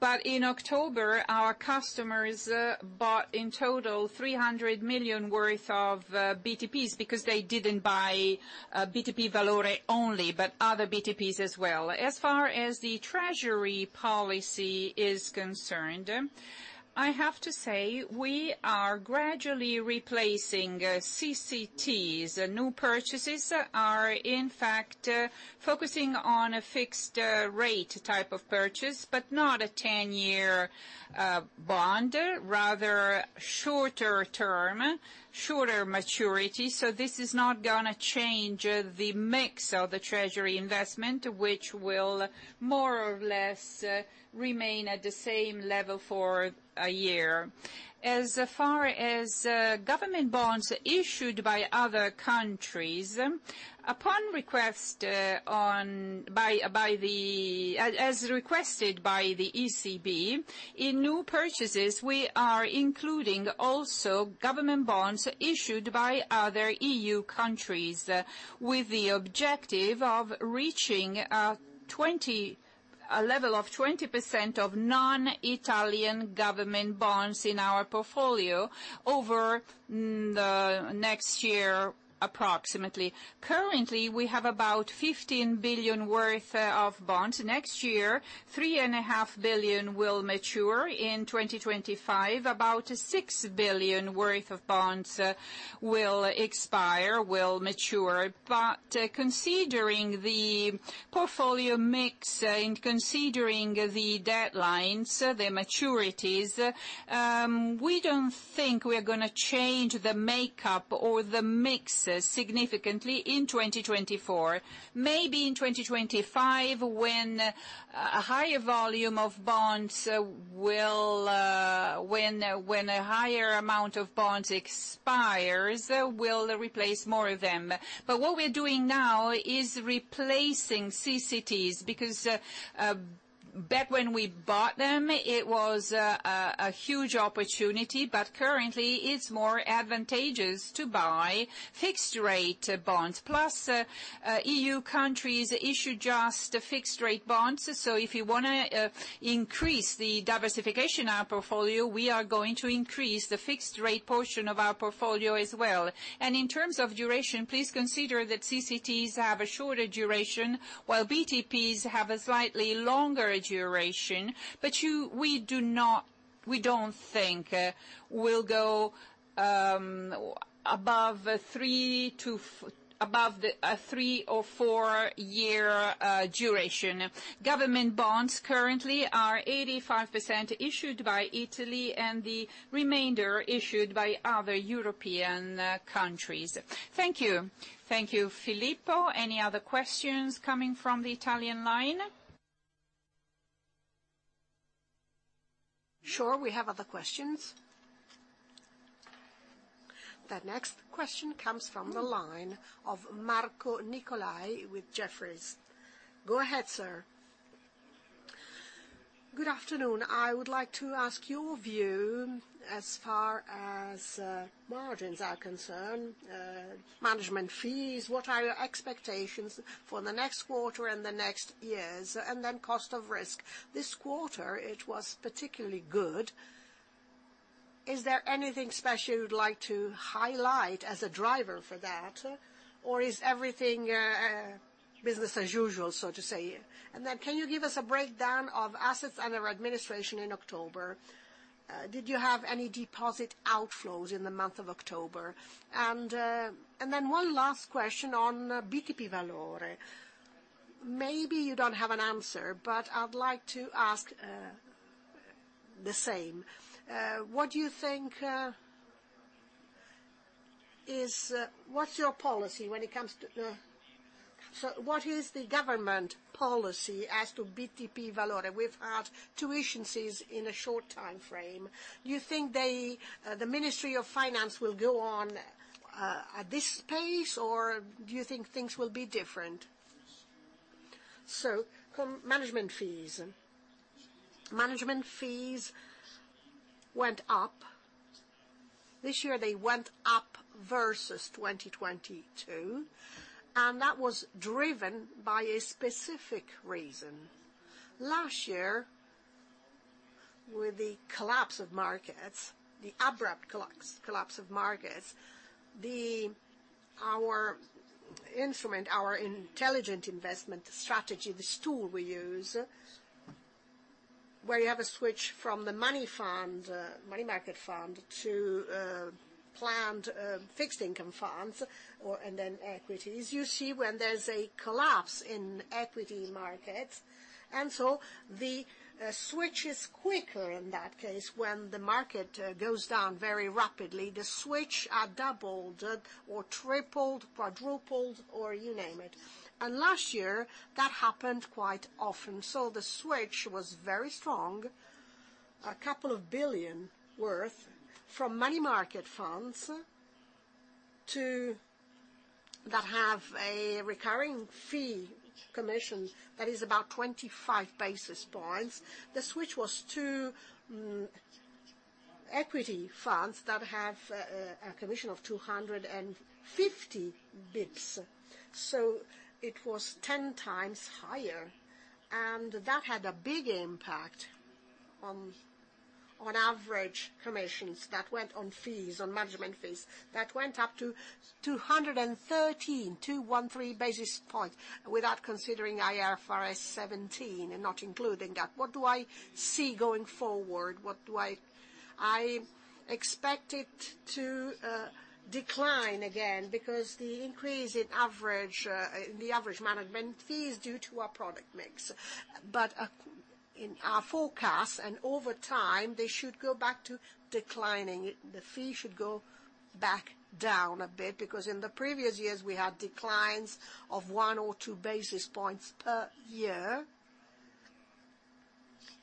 But in October, our customers bought in total, 300 million worth of BTPs, because they didn't buy BTP Valore only, but other BTPs as well. As far as the treasury policy is concerned, I have to say we are gradually replacing CCTs. New purchases are, in fact, focusing on a fixed rate type of purchase, but not a 10-year bond, rather shorter term, shorter maturity. So this is not gonna change the mix of the treasury investment, which will more or less remain at the same level for a year. As far as government bonds issued by other countries, upon request, on by, by the, as requested by the ECB, in new purchases, we are including also government bonds issued by other EU countries, with the objective of reaching a level of 20% of non-Italian government bonds in our portfolio over the next year, approximately. Currently, we have about 15 billion worth of bonds. Next year, 3.5 billion will mature. In 2025, about 6 billion worth of bonds will expire, will mature. But considering the portfolio mix and considering the deadlines, the maturities, we don't think we are going to change the makeup or the mix significantly in 2024. Maybe in 2025, when a higher volume of bonds will, when a higher amount of bonds expires, we'll replace more of them. But what we are doing now is replacing CCTs, because back when we bought them, it was a huge opportunity, but currently, it's more advantageous to buy fixed rate bonds. Plus, EU countries issue just fixed rate bonds. So if you want to increase the diversification in our portfolio, we are going to increase the fixed rate portion of our portfolio as well. And in terms of duration, please consider that CCTs have a shorter duration, while BTPs have a slightly longer duration, but you- we do not, we don't think we'll go above three to, above the a three or four year duration. Government bonds currently are 85% issued by Italy, and the remainder are issued by other European countries. Thank you. Thank you, Filippo. Any other questions coming from the Italian line? Sure, we have other questions. The next question comes from the line of Marco Nicolai with Jefferies. Go ahead, sir. Good afternoon. I would like to ask your view as far as margins are concerned, management fees, what are your expectations for the next quarter and the next years? And then cost of risk. This quarter, it was particularly good. Is there anything special you'd like to highlight as a driver for that? Or is everything business as usual, so to say? And then can you give us a breakdown of assets under administration in October? Did you have any deposit outflows in the month of October? And then one last question on BTP Valore. Maybe you don't have an answer, but I'd like to ask the same. What do you think, what's your policy when it comes to, so what is the government policy as to BTP Valore? We've had two issues in a short time frame. Do you think they, the Ministry of Finance will go on at this pace, or do you think things will be different? So management fees. Management fees went up. This year, they went up versus 2022, and that was driven by a specific reason. Last year, with the collapse of markets, the abrupt collapse of markets, our instrument, our Intelligent Investment Strategy, this tool we use, where you have a switch from the money fund, money market fund, to planned fixed income funds or and then equities. You see when there's a collapse in equity markets, and so the switch is quicker in that case. When the market goes down very rapidly, the switch are doubled, or tripled, quadrupled, or you name it. And last year, that happened quite often, so the switch was very strong, 2 billion worth, from money market funds to that have a recurring fee, commission, that is about 25 basis points. The switch was to equity funds that have a commission of 250 basis points. So it was 10x higher, and that had a big impact on average commissions that went on fees, on management fees, that went up to 213, 213 basis points, without considering IFRS 17 and not including that. What do I see going forward? What do I expect it to decline again, because the increase in the average management fee is due to our product mix. But in our forecast, and over time, they should go back to declining. The fee should go back down a bit, because in the previous years, we had declines of 1 or 2 basis points per year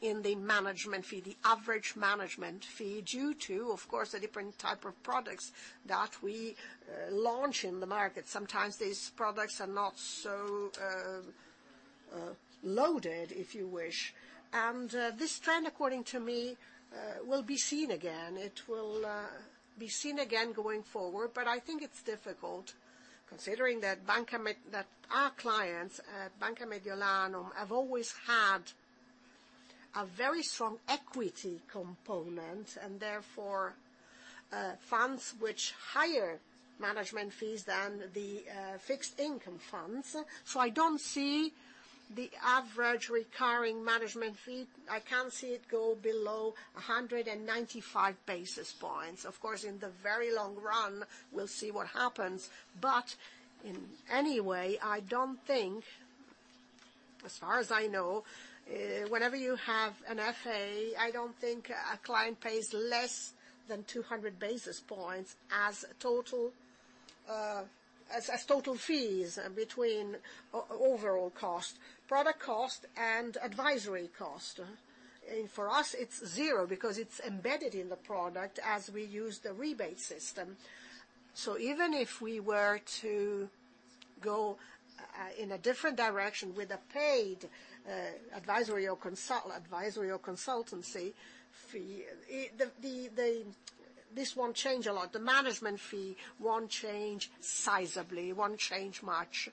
in the management fee, the average management fee, due to, of course, the different type of products that we launch in the market. Sometimes these products are not so loaded, if you wish. And this trend, according to me, will be seen again. It will be seen again going forward, but I think it's difficult, considering that our clients at Banca Mediolanum have always had a very strong equity component, and therefore, funds which higher management fees than the fixed income funds. So I don't see the average recurring management fee, I can't see it go below 195 basis points. Of course, in the very long run, we'll see what happens. But in any way, I don't think, as far as I know, whenever you have an FA, I don't think a client pays less than 200 basis points as total, as total fees between overall cost, product cost, and advisory cost. And for us, it's zero because it's embedded in the product as we use the rebate system. So even if we were to go in a different direction with a paid advisory or consultancy fee, it, this won't change a lot. The management fee won't change sizably, won't change much.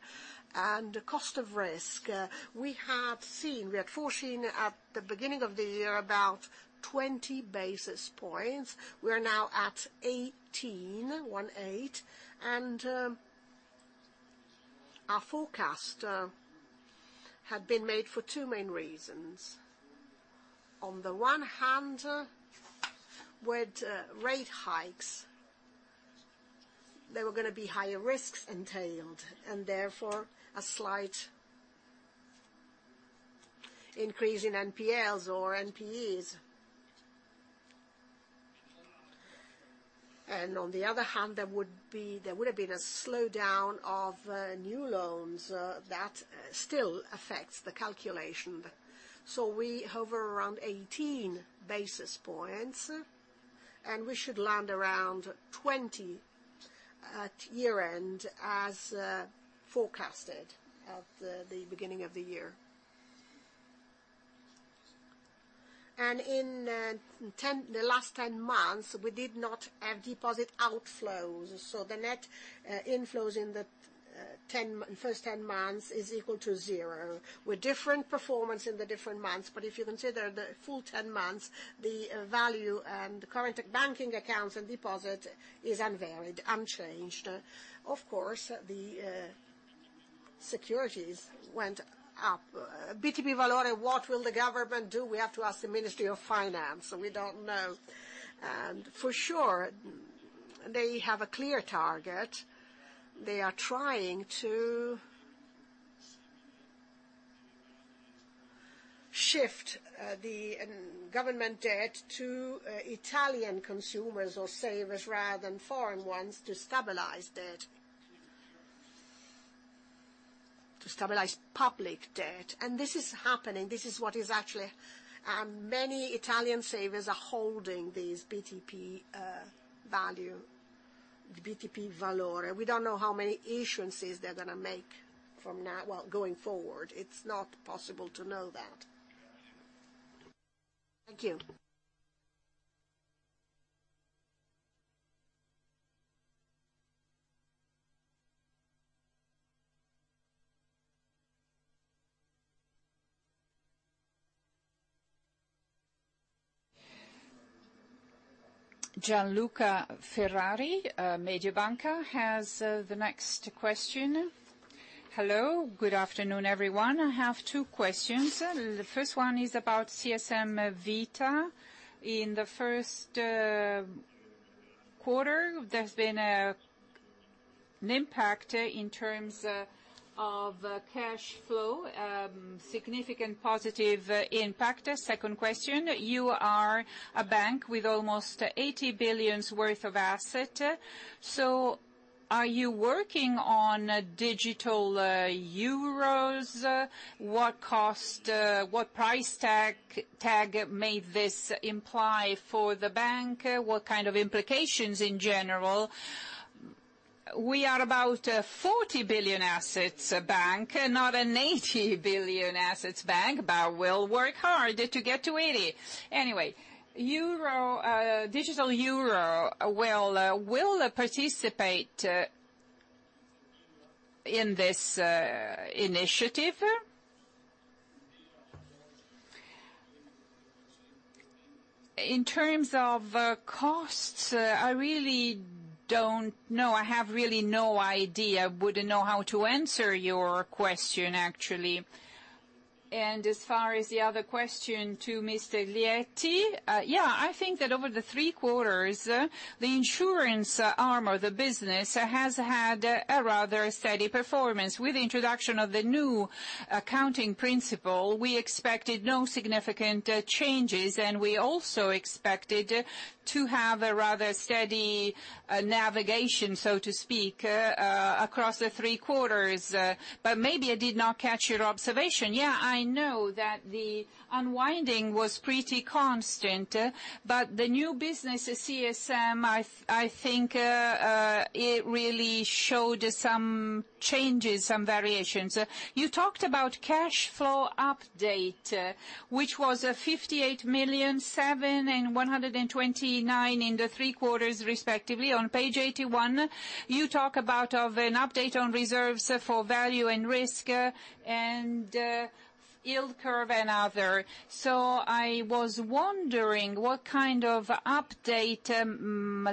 And the cost of risk, we had seen, we had foreseen at the beginning of the year, about 20 basis points. We are now at 18, and our forecast had been made for two main reasons. On the one hand, with rate hikes, there were gonna be higher risks entailed, and therefore a slight increase in NPLs or NPEs. And on the other hand, there would be, there would have been a slowdown of new loans that still affects the calculation. So we hover around 18 basis points, and we should land around 20 at year-end, as forecasted at the beginning of the year. And in the last 10 months, we did not have deposit outflows, so the net inflows in the first 10 months is equal to zero. With different performance in the different months, but if you consider the full 10 months, the value and current banking accounts and deposit is unvaried, unchanged. Of course, the securities went up. BTP Valore, what will the government do? We have to ask the Ministry of Finance, we don't know. And for sure, they have a clear target. They are trying to shift the government debt to Italian consumers or savers, rather than foreign ones, to stabilize debt. To stabilize public debt, and this is happening, this is what is actually. Many Italian savers are holding these BTP Valore. We don't know how many issuances they're gonna make from now, well, going forward. It's not possible to know that. Thank you. Gianluca Ferrari, Mediobanca, has the next question. Hello, good afternoon, everyone. I have two questions. The first one is about CSM Vita. In the first quarter, there's been an impact in terms of cash flow, significant positive impact. Second question, you are a bank with almost 80 billion worth of asset, so are you working on digital euros? What cost, what price tag may this imply for the bank? What kind of implications in general? We are about a 40 billion assets bank, not an 80 billion assets bank, but we'll work hard to get to 80. Anyway, euro, digital euro, well, we'll participate in this initiative. In terms of costs, I really don't know. I have really no idea. Wouldn't know how to answer your question, actually. As far as the other question to Mr. Lietti, yeah, I think that over the three quarters, the insurance arm of the business has had a rather steady performance. With the introduction of the new accounting principle, we expected no significant changes, and we also expected to have a rather steady navigation, so to speak, across the three quarters. But maybe I did not catch your observation. Yeah, I know that the unwinding was pretty constant, but the new business at CSM, I, I think, it really showed some changes, some variations. You talked about cash flow update, which was 58 million, 7, and 129 in the three quarters, respectively. On page 81, you talk about of an update on reserves for value and risk, and yield curve and other. So I was wondering what kind of update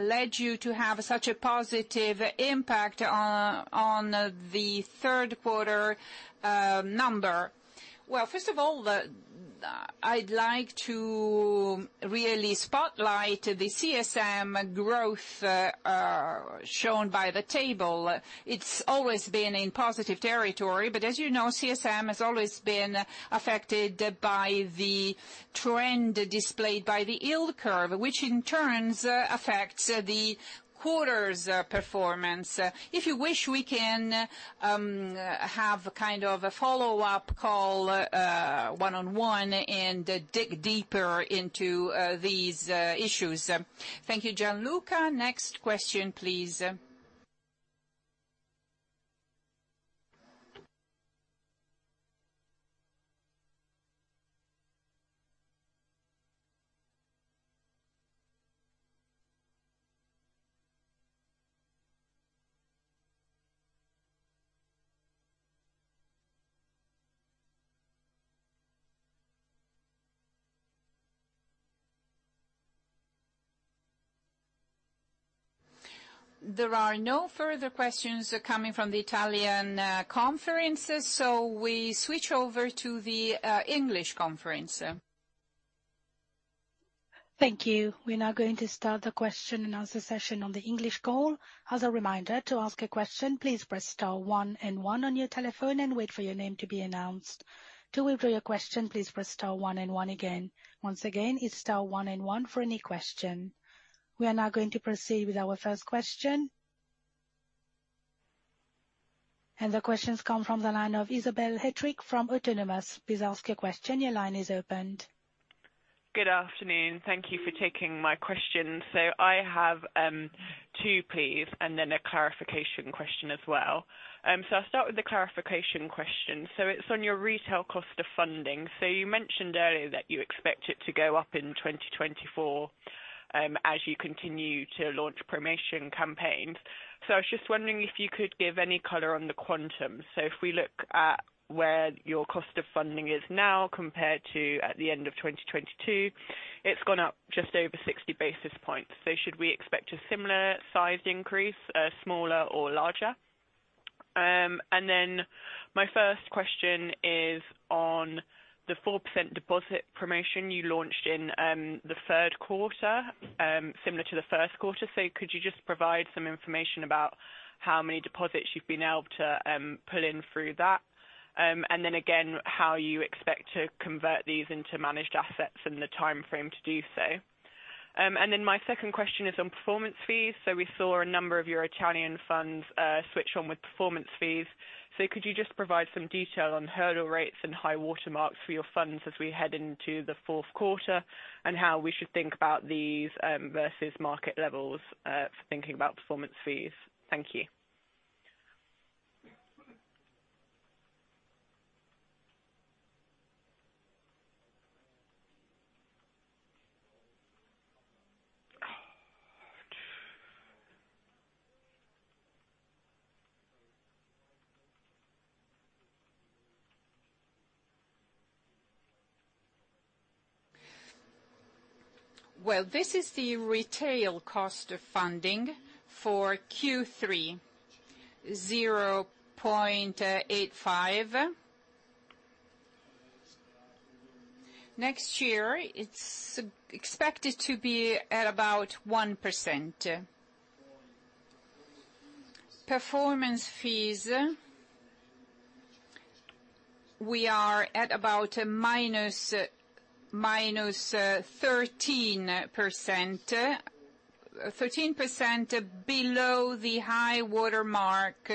led you to have such a positive impact on the third quarter number? Well, first of all, I'd like to really spotlight the CSM growth shown by the table. It's always been in positive territory, but as you know, CSM has always been affected by the trend displayed by the yield curve, which in turn affects the quarter's performance. If you wish, we can have a kind of a follow-up call one-on-one and dig deeper into these issues. Thank you, Gianluca. Next question, please. There are no further questions coming from the Italian conference, so we switch over to the English conference. Thank you. We're now going to start the question and answer session on the English call. As a reminder, to ask a question, please press star one and one on your telephone and wait for your name to be announced. To withdraw your question, please press star one and one again. Once again, it's star one and one for any question. We are now going to proceed with our first question. The questions come from the line of Isabel Hattrick from Autonomous. Please ask your question. Your line is open. Good afternoon. Thank you for taking my question. So I have two, please, and then a clarification question as well. So I'll start with the clarification question. So it's on your retail cost of funding. So you mentioned earlier that you expect it to go up in 2024 as you continue to launch promotion campaigns. So I was just wondering if you could give any color on the quantum. So if we look at where your cost of funding is now compared to at the end of 2022, it's gone up just over 60 basis points. So should we expect a similar sized increase, smaller or larger? And then my first question is on the 4% deposit promotion you launched in the third quarter, similar to the first quarter. So could you just provide some information about how many deposits you've been able to pull in through that? And then again, how you expect to convert these into managed assets and the time frame to do so. And then my second question is on performance fees. So we saw a number of your Italian funds switch on with performance fees. So could you just provide some detail on hurdle rates and high water marks for your funds as we head into the fourth quarter, and how we should think about these versus market levels for thinking about performance fees? Thank you. Well, this is the retail cost of funding for Q3, 0.85. Next year, it's expected to be at about 1%. Performance fees, we are at about minus -13%. 13% below the high water mark.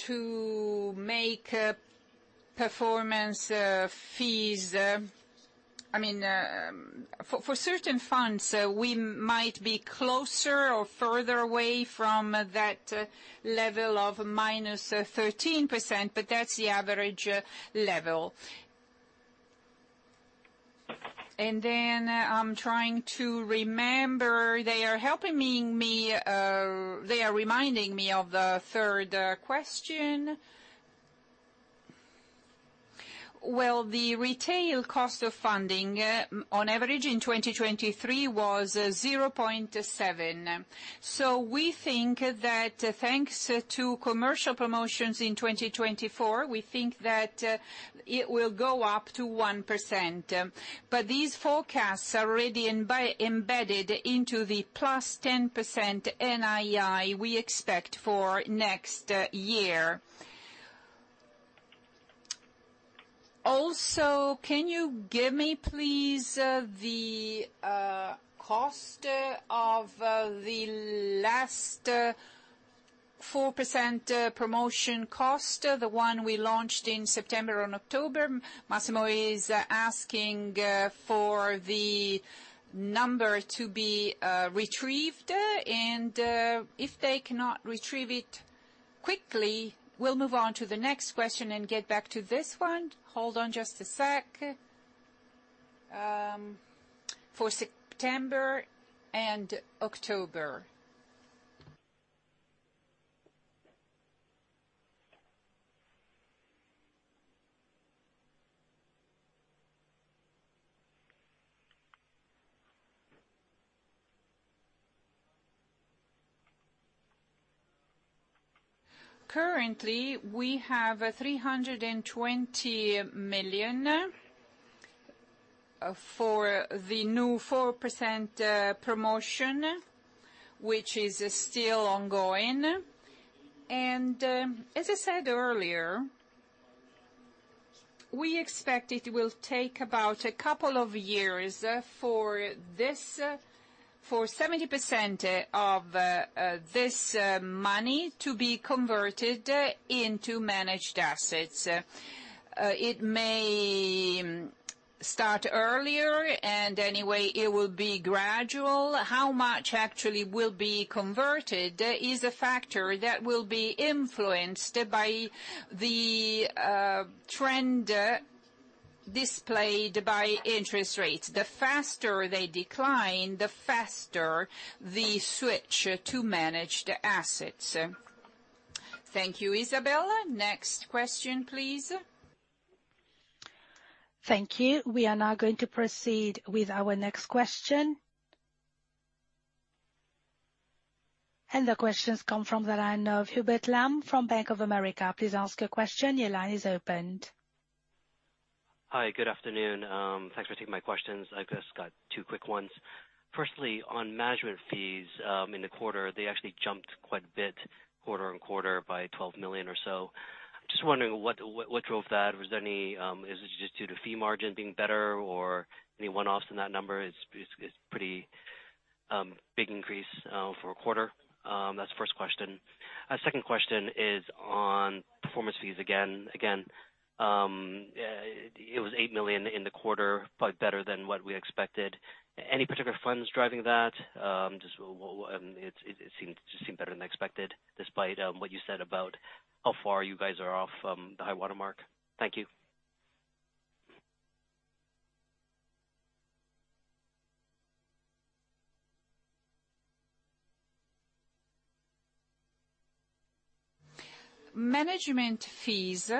To make performance fees, I mean, for certain funds, we might be closer or further away from that level of minus 13%, but that's the average level. And then I'm trying to remember, they are helping me, me. They are reminding me of the third question. Well, the retail cost of funding on average in 2023 was 0.7. So we think that thanks to commercial promotions in 2024, we think that it will go up to 1%. But these forecasts are already embedded into the +10% NII we expect for next year. Also, can you give me, please, the cost of the last 4% promotion cost, the one we launched in September and October? Massimo is asking for the number to be retrieved, and if they cannot retrieve it quickly, we'll move on to the next question and get back to this one. Hold on just a sec. For September and October? Currently, we have 320 million for the new 4% promotion, which is still ongoing. And as I said earlier, we expect it will take about a couple of years for 70% of this money to be converted into managed assets. It may start earlier, and anyway, it will be gradual. How much actually will be converted is a factor that will be influenced by the trend displayed by interest rates. The faster they decline, the faster the switch to managed assets. Thank you, Isabella. Next question, please. Thank you. We are now going to proceed with our next question. The question's come from the line of Hubert Lam from Bank of America. Please ask your question. Your line is open. Hi, good afternoon. Thanks for taking my questions. I've just got two quick ones. Firstly, on management fees, in the quarter, they actually jumped quite a bit quarter-over-quarter by 12 million or so. Just wondering what drove that? Was there any, is it just due to fee margin being better or any one-offs in that number? It's pretty big increase for a quarter. That's the first question. Second question is on performance fees again. Again, it was 8 million in the quarter, but better than what we expected. Any particular funds driving that? It just seemed better than expected, despite what you said about how far you guys are off from the high water mark. Thank you. Management fees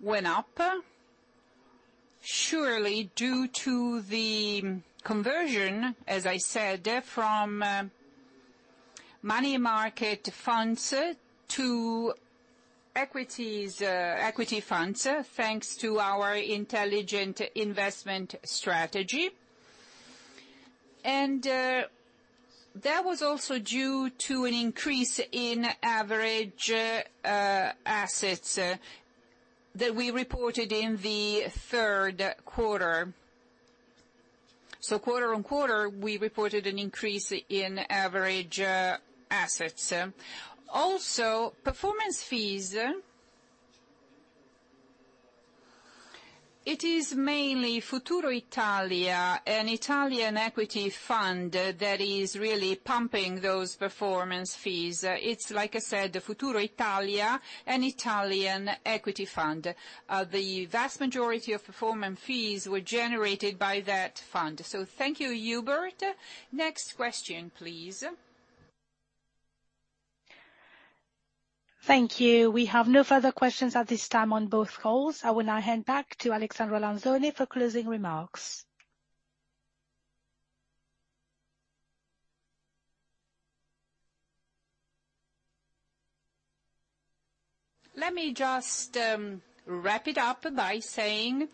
went up, surely due to the conversion, as I said, from money market funds to equities, equity funds, thanks to our Intelligent Investment Strategy. That was also due to an increase in average assets that we reported in the third quarter. So quarter-on-quarter, we reported an increase in average assets. Also, performance fees, it is mainly Futuro Italia, an Italian equity fund, that is really pumping those performance fees. It's like I said, Futuro Italia, an Italian equity fund. The vast majority of performance fees were generated by that fund. So thank you, Hubert. Next question, please. Thank you. We have no further questions at this time on both calls. I will now hand back to Alessandra Lanzone for closing remarks. Let me just wrap it up by saying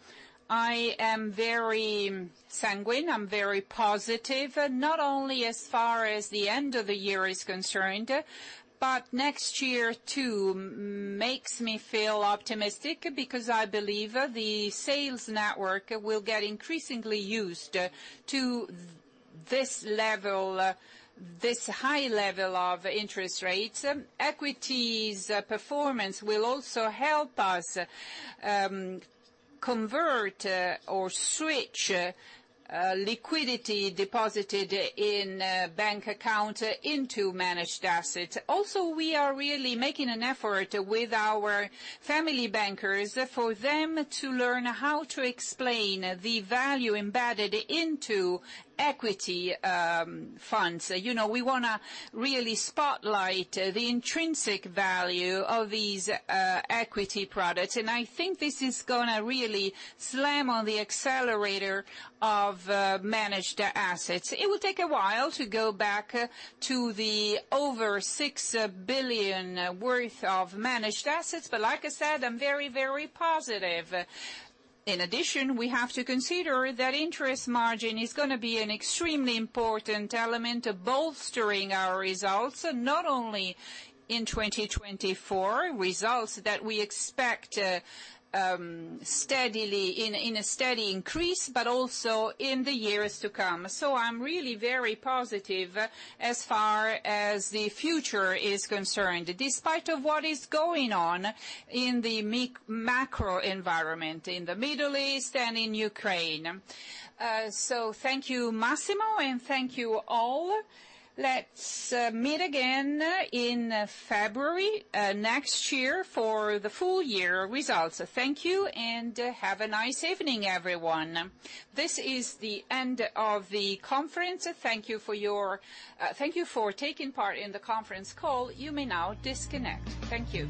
I am very sanguine. I'm very positive, not only as far as the end of the year is concerned, but next year too makes me feel optimistic, because I believe the sales network will get increasingly used to this level, this high level of interest rates. Equities performance will also help us convert or switch liquidity deposited in a bank account into managed assets. Also, we are really making an effort with our Family Bankers for them to learn how to explain the value embedded into equity funds. You know, we wanna really spotlight the intrinsic value of these equity products, and I think this is gonna really slam on the accelerator of managed assets. It will take a while to go back to the over 6 billion worth of managed assets, but like I said, I'm very, very positive. In addition, we have to consider that interest margin is gonna be an extremely important element of bolstering our results, not only in 2024, results that we expect steadily in a steady increase, but also in the years to come. So I'm really very positive as far as the future is concerned, despite of what is going on in the macro environment, in the Middle East and in Ukraine. So thank you, Massimo, and thank you all. Let's meet again in February next year for the full year results. Thank you, and have a nice evening, everyone. This is the end of the conference. Thank you for taking part in the conference call. You may now disconnect. Thank you.